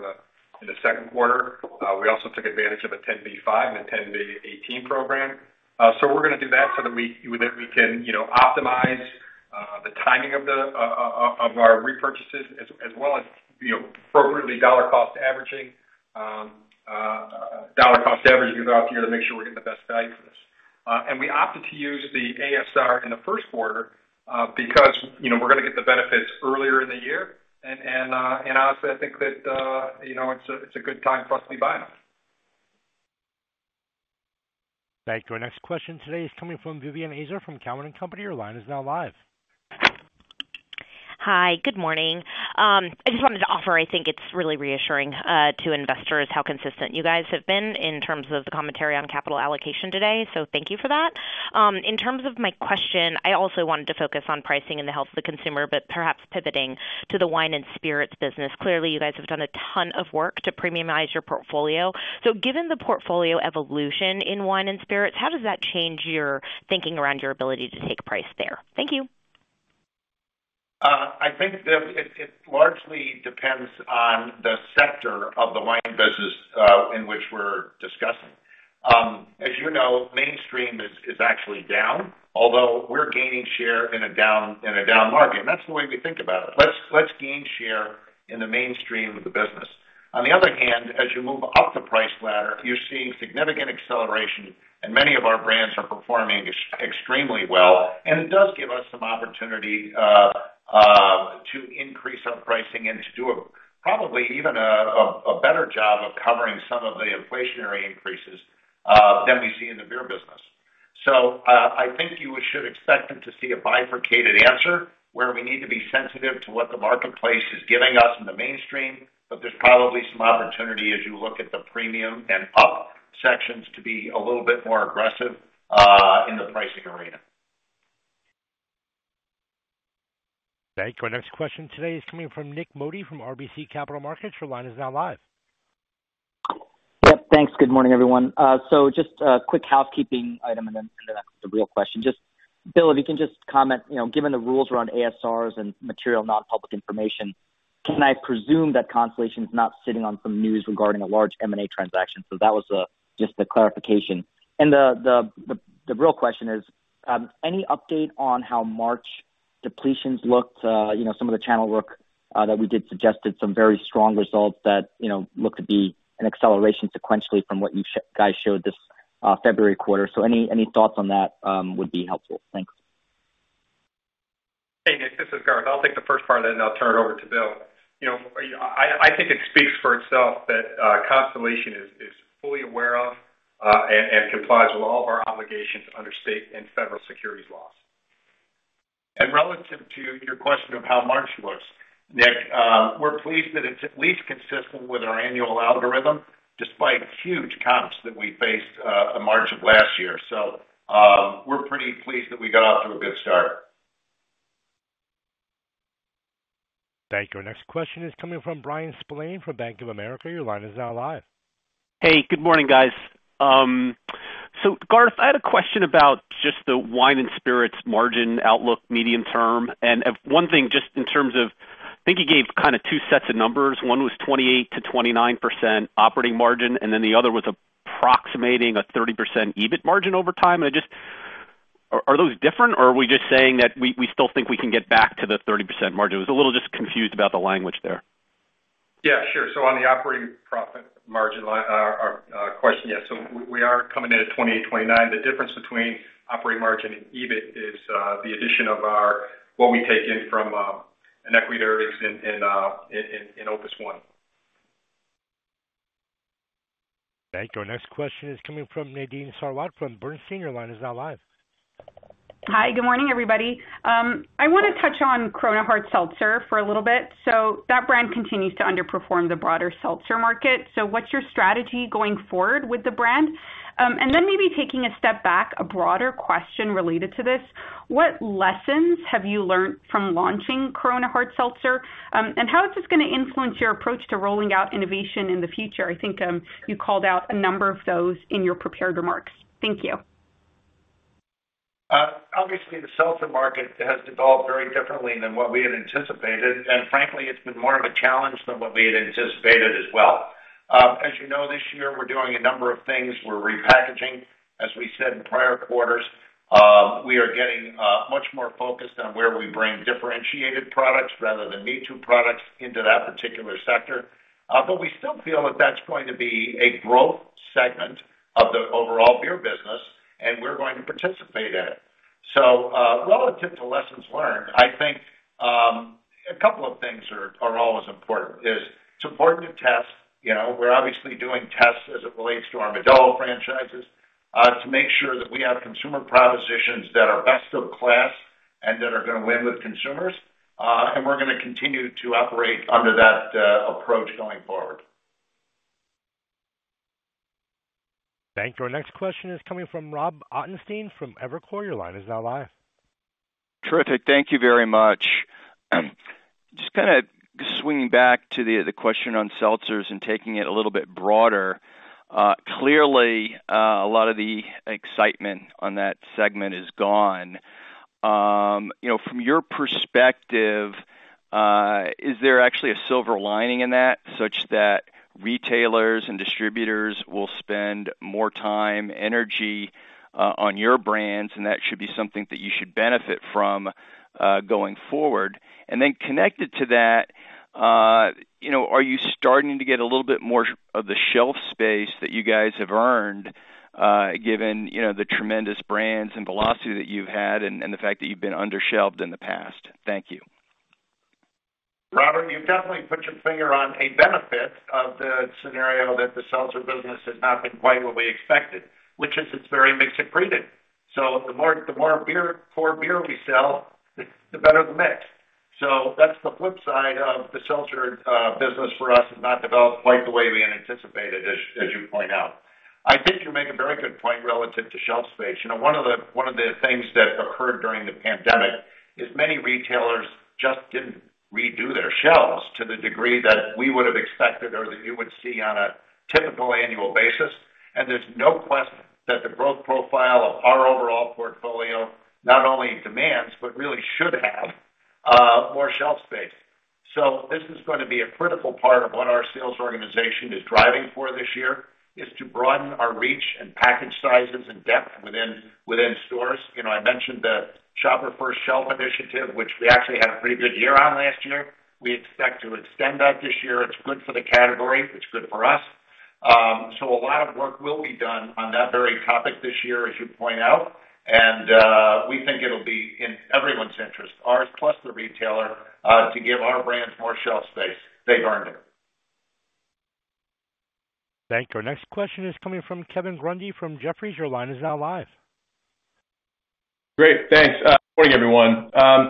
in the second quarter. We also took advantage of a 10b-5 and a 10b-18 program. We're gonna do that so that we can, you know, optimize the timing of our repurchases as well as, you know, appropriately dollar-cost averaging throughout the year to make sure we're getting the best value for this. We opted to use the ASR in the first quarter because, you know, we're gonna get the benefits earlier in the year. Honestly, I think that, you know, it's a good time for us to be buying. Thank you. Our next question today is coming from Vivian Azer from Cowen and Company. Your line is now live. Hi. Good morning. I just wanted to offer, I think it's really reassuring, to investors how consistent you guys have been in terms of the commentary on capital allocation today, so thank you for that. In terms of my question, I also wanted to focus on pricing and the health of the consumer, but perhaps pivoting to the Wine and Spirits business. Clearly, you guys have done a ton of work to premiumize your portfolio. Given the portfolio evolution in Wine and Spirits, how does that change your thinking around your ability to take price there? Thank you. I think that it largely depends on the sector of the wine business in which we're discussing. As you know, mainstream is actually down, although we're gaining share in a down market. That's the way we think about it. Let's gain share in the mainstream of the business. On the other hand, as you move up the price ladder, you're seeing significant acceleration, and many of our brands are performing extremely well. It does give us some opportunity to increase our pricing and to do probably even a better job of covering some of the inflationary increases than we see in the Beer business. I think you should expect them to see a bifurcated answer where we need to be sensitive to what the marketplace is giving us in the mainstream, but there's probably some opportunity as you look at the premium and up sections to be a little bit more aggressive in the pricing arena. Thank you. Our next question today is coming from Nik Modi from RBC Capital Markets. Your line is now live. Yep, thanks. Good morning, everyone. Just a quick housekeeping item, and then the real question. Bill, if you can just comment, you know, given the rules around ASRs and material non-public information, can I presume that Constellation is not sitting on some news regarding a large M&A transaction? That was just a clarification. The real question is, any update on how March depletions looked? You know, some of the channel work that we did suggested some very strong results that, you know, look to be an acceleration sequentially from what you guys showed this February quarter. Any thoughts on that would be helpful. Thanks. Hey, Nik, this is Garth. I'll take the first part of that, and then I'll turn it over to Bill. You know, I think it speaks for itself that Constellation is fully aware of and complies with all of our obligations under state and federal securities laws. Relative to your question of how March looks, Nik, we're pleased that it's at least consistent with our annual algorithm, despite huge comps that we faced in March of last year. We're pretty pleased that we got off to a good start. Thank you. Our next question is coming from Bryan Spillane from Bank of America. Your line is now live. Hey, good morning, guys. Garth, I had a question about just the Wine and Spirits margin outlook medium term. One thing, just in terms of, I think you gave kinda two sets of numbers. One was 28%-29% operating margin, and then the other was approximating a 30% EBIT margin over time. Are those different or are we just saying that we still think we can get back to the 30% margin? I was a little just confused about the language there. Yeah, sure. On the operating profit margin question, yes. We are coming in at 28%-29%. The difference between operating margin and EBIT is the addition of our equity earnings in Opus One. Thank you. Our next question is coming from Nadine Sarwat from Bernstein. Your line is now live. Hi. Good morning, everybody. I wanna touch on Corona Hard Seltzer for a little bit. That brand continues to underperform the broader seltzer market. What's your strategy going forward with the brand? And then maybe taking a step back, a broader question related to this, what lessons have you learned from launching Corona Hard Seltzer? And how is this gonna influence your approach to rolling out innovation in the future? I think, you called out a number of those in your prepared remarks. Thank you. Obviously, the seltzer market has developed very differently than what we had anticipated, and frankly, it's been more of a challenge than what we had anticipated as well. As you know, this year we're doing a number of things. We're repackaging, as we said in prior quarters. We are getting much more focused on where we bring differentiated products rather than me-too products into that particular sector. We still feel that that's going to be a growth segment of the overall Beer business, and we're going to participate in it. Relative to lessons learned, I think a couple of things are always important. It's important to test. You know, we're obviously doing tests as it relates to our Modelo franchises to make sure that we have consumer propositions that are best of class and that are gonna win with consumers. We're gonna continue to operate under that approach going forward. Thank you. Our next question is coming from Rob Ottenstein from Evercore. Your line is now live. Terrific. Thank you very much. Just kinda swinging back to the question on seltzers and taking it a little bit broader. Clearly, a lot of the excitement on that segment is gone. You know, from your perspective, is there actually a silver lining in that such that retailers and distributors will spend more time, energy, on your brands, and that should be something that you should benefit from, going forward? Then connected to that, you know, are you starting to get a little bit more of the shelf space that you guys have earned, given, you know, the tremendous brands and velocity that you've had and the fact that you've been under-shelved in the past? Thank you. Rob, you've definitely put your finger on a benefit of the scenario that the seltzer business has not been quite what we expected, which is it's very mixed and cratered. The more core beer we sell, the better the mix. That's the flip side of the seltzer business for us, which has not developed quite the way we had anticipated, as you point out. I think you make a very good point relative to shelf space. You know, one of the things that occurred during the pandemic is many retailers just didn't redo their shelves to the degree that we would have expected or that you would see on a typical annual basis. There's no question that the growth profile of our overall portfolio not only demands, but really should have more shelf space. This is gonna be a critical part of what our sales organization is driving for this year, is to broaden our reach and package sizes and depth within stores. You know, I mentioned the Shopper-First Shelf initiative, which we actually had a pretty good year on last year. We expect to extend that this year. It's good for the category. It's good for us. A lot of work will be done on that very topic this year, as you point out, and we think it'll be in everyone's interest, ours plus the retailer, to give our brands more shelf space. They've earned it. Thank you. Our next question is coming from Kevin Grundy from Jefferies. Your line is now live. Great. Thanks. Good morning, everyone.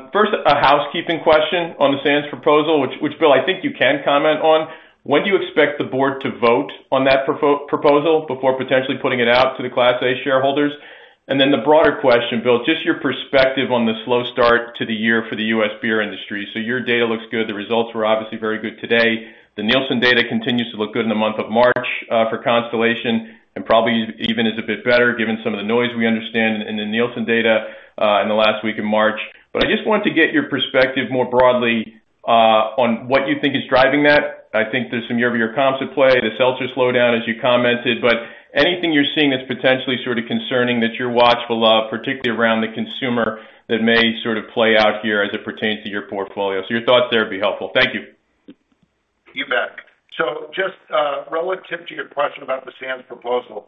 First, a housekeeping question on the Sands Family proposal, which Bill, I think you can comment on. When do you expect the board to vote on that proposal before potentially putting it out to the Class A shareholders? And then the broader question, Bill, just your perspective on the slow start to the year for the U.S. beer industry. Your data looks good. The results were obviously very good today. The Nielsen data continues to look good in the month of March for Constellation, and probably even is a bit better given some of the noise we understand in the Nielsen data in the last week of March. I just wanted to get your perspective more broadly on what you think is driving that. I think there's some year-over-year comps at play, the seltzer slowdown, as you commented. Anything you're seeing that's potentially sort of concerning that you're watchful of, particularly around the consumer, that may sort of play out here as it pertains to your portfolio. Your thoughts there would be helpful. Thank you. You bet. Just relative to your question about the Sands proposal,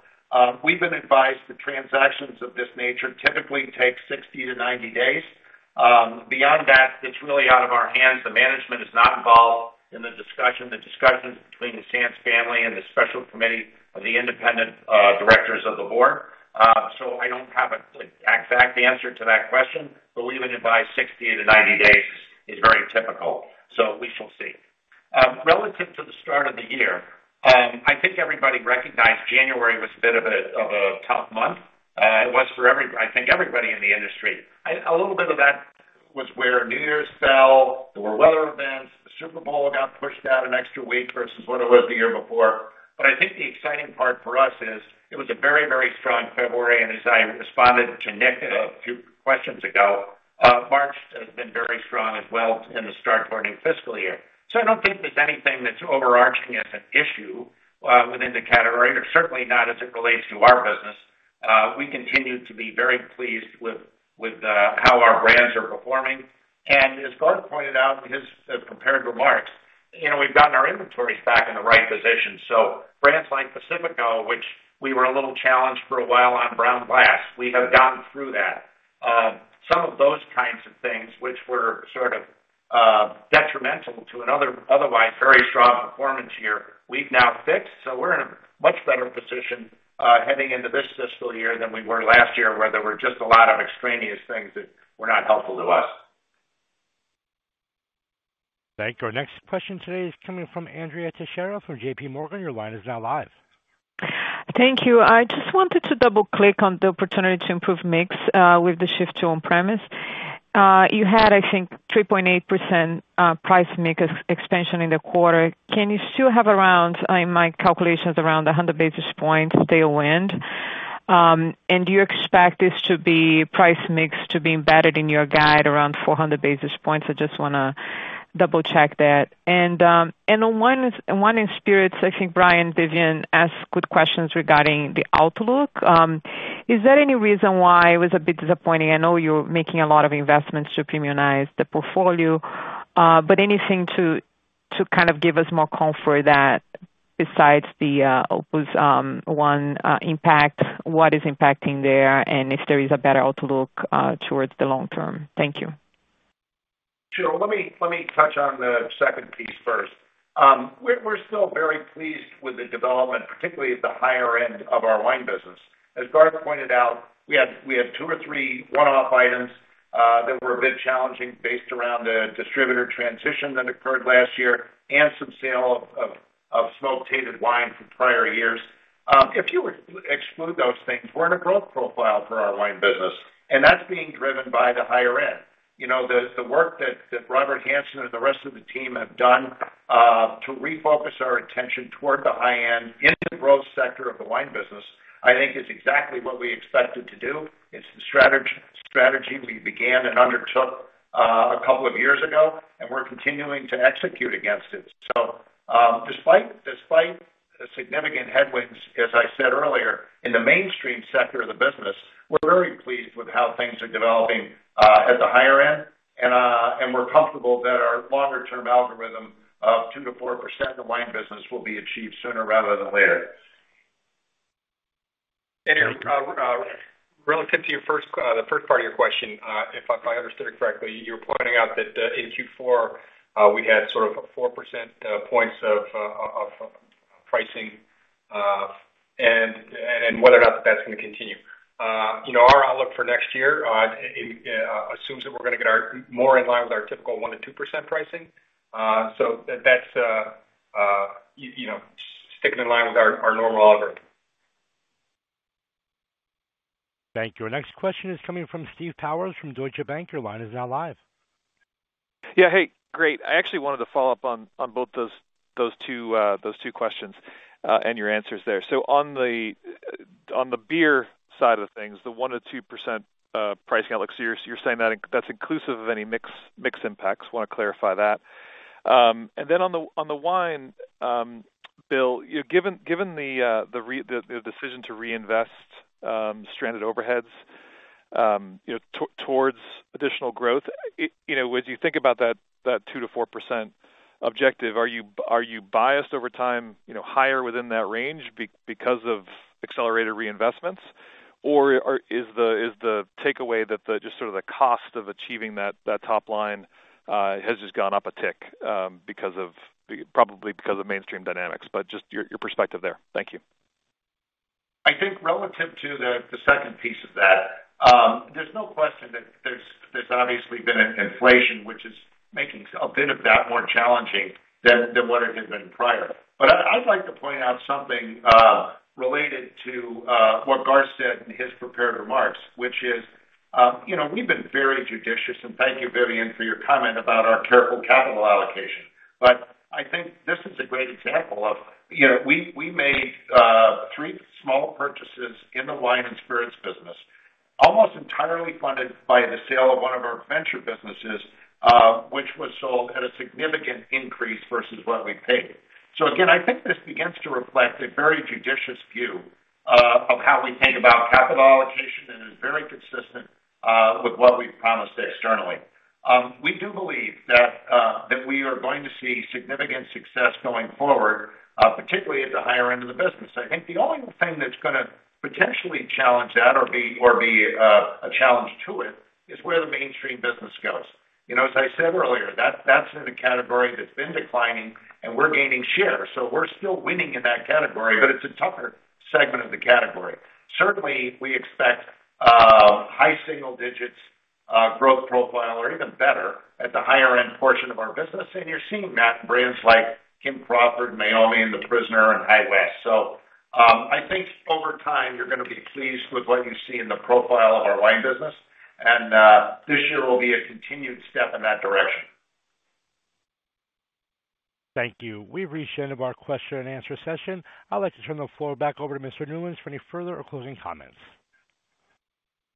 we've been advised that transactions of this nature typically take 60 to 90 days. Beyond that, it's really out of our hands. The management is not involved in the discussion. The discussion is between the Sands Family and the special committee of the independent directors of the Board. I don't have an exact answer to that question, but we've been advised 60 to 90 days is very typical. We shall see. Relative to the start of the year, I think everybody recognized January was a bit of a tough month. It was for everybody in the industry. A little bit of that was where New Year's fell. There were weather events. The Super Bowl got pushed out an extra week versus what it was the year before. I think the exciting part for us is it was a very, very strong February, and as I responded to Nik a few questions ago, March has been very strong as well in the start to our new fiscal year. I don't think there's anything that's overarching as an issue within the category, or certainly not as it relates to our business. We continue to be very pleased with how our brands are performing. As Garth pointed out in his prepared remarks, you know, we've gotten our inventories back in the right position. Brands like Pacifico, which we were a little challenged for a while on brown glass, we have gotten through that. Some of those kinds of things which were sort of detrimental to an otherwise very strong performance year, we've now fixed, so we're in a much better position heading into this fiscal year than we were last year, where there were just a lot of extraneous things that were not helpful to us. Thank you. Our next question today is coming from Andrea Teixeira from JPMorgan. Your line is now live. Thank you. I just wanted to double-click on the opportunity to improve mix with the shift to on-premise. You had, I think, 3.8% price mix expansion in the quarter. Can you still have, in my calculations, around 100 basis points tailwind? And do you expect price mix to be embedded in your guide around 400 basis points? I just wanna double-check that. In my experience, I think Vivian Azer asked good questions regarding the outlook. Is there any reason why it was a bit disappointing? I know you're making a lot of investments to premiumize the portfolio, but anything to kind of give us more comfort that besides the Opus One impact, what is impacting there, and if there is a better outlook towards the long term? Thank you. Sure. Let me touch on the second piece first. We're still very pleased with the development, particularly at the higher end of our wine business. As Garth pointed out, we had two or three one-off items that were a bit challenging based around a distributor transition that occurred last year and some sale of smoke-tainted wine from prior years. If you exclude those things, we're in a growth profile for our wine business, and that's being driven by the higher end. You know, the work that Robert Hanson and the rest of the team have done to refocus our attention toward the high-end in the growth sector of the wine business, I think is exactly what we expected to do. It's the strategy we began and undertook a couple of years ago, and we're continuing to execute against it. Despite the significant headwinds, as I said earlier, in the mainstream sector of the business, we're very pleased with how things are developing at the higher end. We're comfortable that our longer term algorithm of 2%-4% of the wine business will be achieved sooner rather than later. Relative to your first question, the first part of your question, if I understood it correctly, you were pointing out that in Q4 we had sort of 4 percentage points of pricing, and whether or not that's gonna continue. You know, our outlook for next year, it assumes that we're gonna get more in line with our typical 1%-2% pricing. That's you know, sticking in line with our normal algorithm. Thank you. Our next question is coming from Steve Powers from Deutsche Bank. Your line is now live. Yeah. Hey, great. I actually wanted to follow up on both those two questions and your answers there. On the beer side of things, the 1%-2% pricing outlook, you're saying that that's inclusive of any mix impacts. Wanna clarify that. On the wine, Bill, you know, given the decision to reinvest stranded overheads, you know, towards additional growth, it you know as you think about that 2%-4% objective, are you biased over time higher within that range because of accelerated reinvestments? Or are, is the takeaway that just sort of the cost of achieving that top line has just gone up a tick because of mainstream dynamics. But just your perspective there. Thank you. I think relative to the second piece of that, there's no question that there's obviously been an inflation which is making a bit of that more challenging than what it had been prior. I'd like to point out something related to what Garth said in his prepared remarks, which is, you know, we've been very judicious, and thank you, Vivian, for your comment about our careful capital allocation. I think this is a great example of, you know, we made three small purchases in the Wine and Spirits business, almost entirely funded by the sale of one of our venture businesses, which was sold at a significant increase versus what we paid. Again, I think this begins to reflect a very judicious view of how we think about capital allocation and is very consistent with what we've promised externally. We do believe that we are going to see significant success going forward, particularly at the higher end of the business. I think the only thing that's gonna potentially challenge that or be a challenge to it is where the mainstream business goes. You know, as I said earlier, that's in a category that's been declining and we're gaining share. We're still winning in that category, but it's a tougher segment of the category. Certainly, we expect high single digits growth profile or even better at the higher end portion of our business. You're seeing that in brands like Kim Crawford, Meiomi, and The Prisoner, and High West. I think over time you're gonna be pleased with what you see in the profile of our wine business, and this year will be a continued step in that direction. Thank you. We've reached the end of our question and answer session. I'd like to turn the floor back over to Mr. Newlands for any further or closing comments.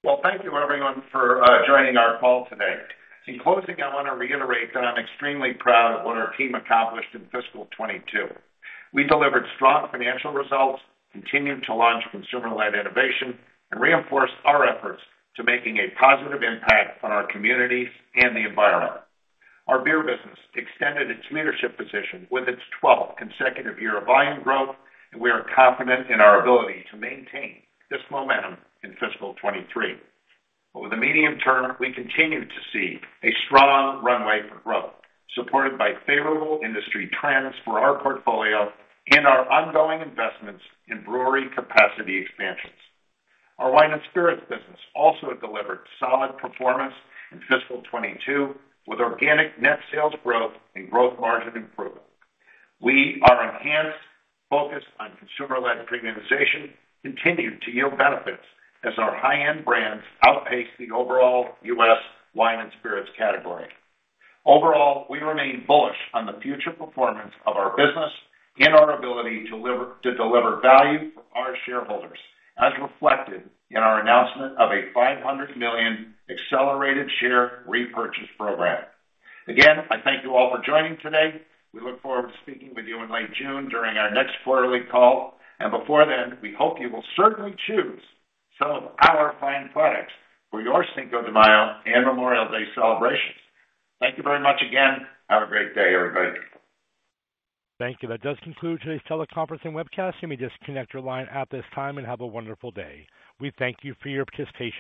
Well, thank you everyone for joining our call today. In closing, I wanna reiterate that I'm extremely proud of what our team accomplished in fiscal 2022. We delivered strong financial results, continued to launch consumer-led innovation, and reinforced our efforts to making a positive impact on our communities and the environment. Our Beer Business extended its leadership position with its 12th consecutive year of volume growth, and we are confident in our ability to maintain this momentum in fiscal 2023. Over the medium term, we continue to see a strong runway for growth, supported by favorable industry trends for our portfolio and our ongoing investments in brewery capacity expansions. Our Wine and Spirits Business also delivered solid performance in fiscal 2022, with organic net sales growth and growth margin improvement. Our enhanced focus on consumer-led premiumization continued to yield benefits as our high-end brands outpace the overall U.S. wine and spirits category. Overall, we remain bullish on the future performance of our business and our ability to deliver value for our shareholders, as reflected in our announcement of a $500 million accelerated share repurchase program. Again, I thank you all for joining today. We look forward to speaking with you in late June during our next quarterly call. Before then, we hope you will certainly choose some of our fine products for your Cinco de Mayo and Memorial Day celebrations. Thank you very much again. Have a great day, everybody. Thank you. That does conclude today's teleconference and webcast. You may disconnect your line at this time and have a wonderful day. We thank you for your participation.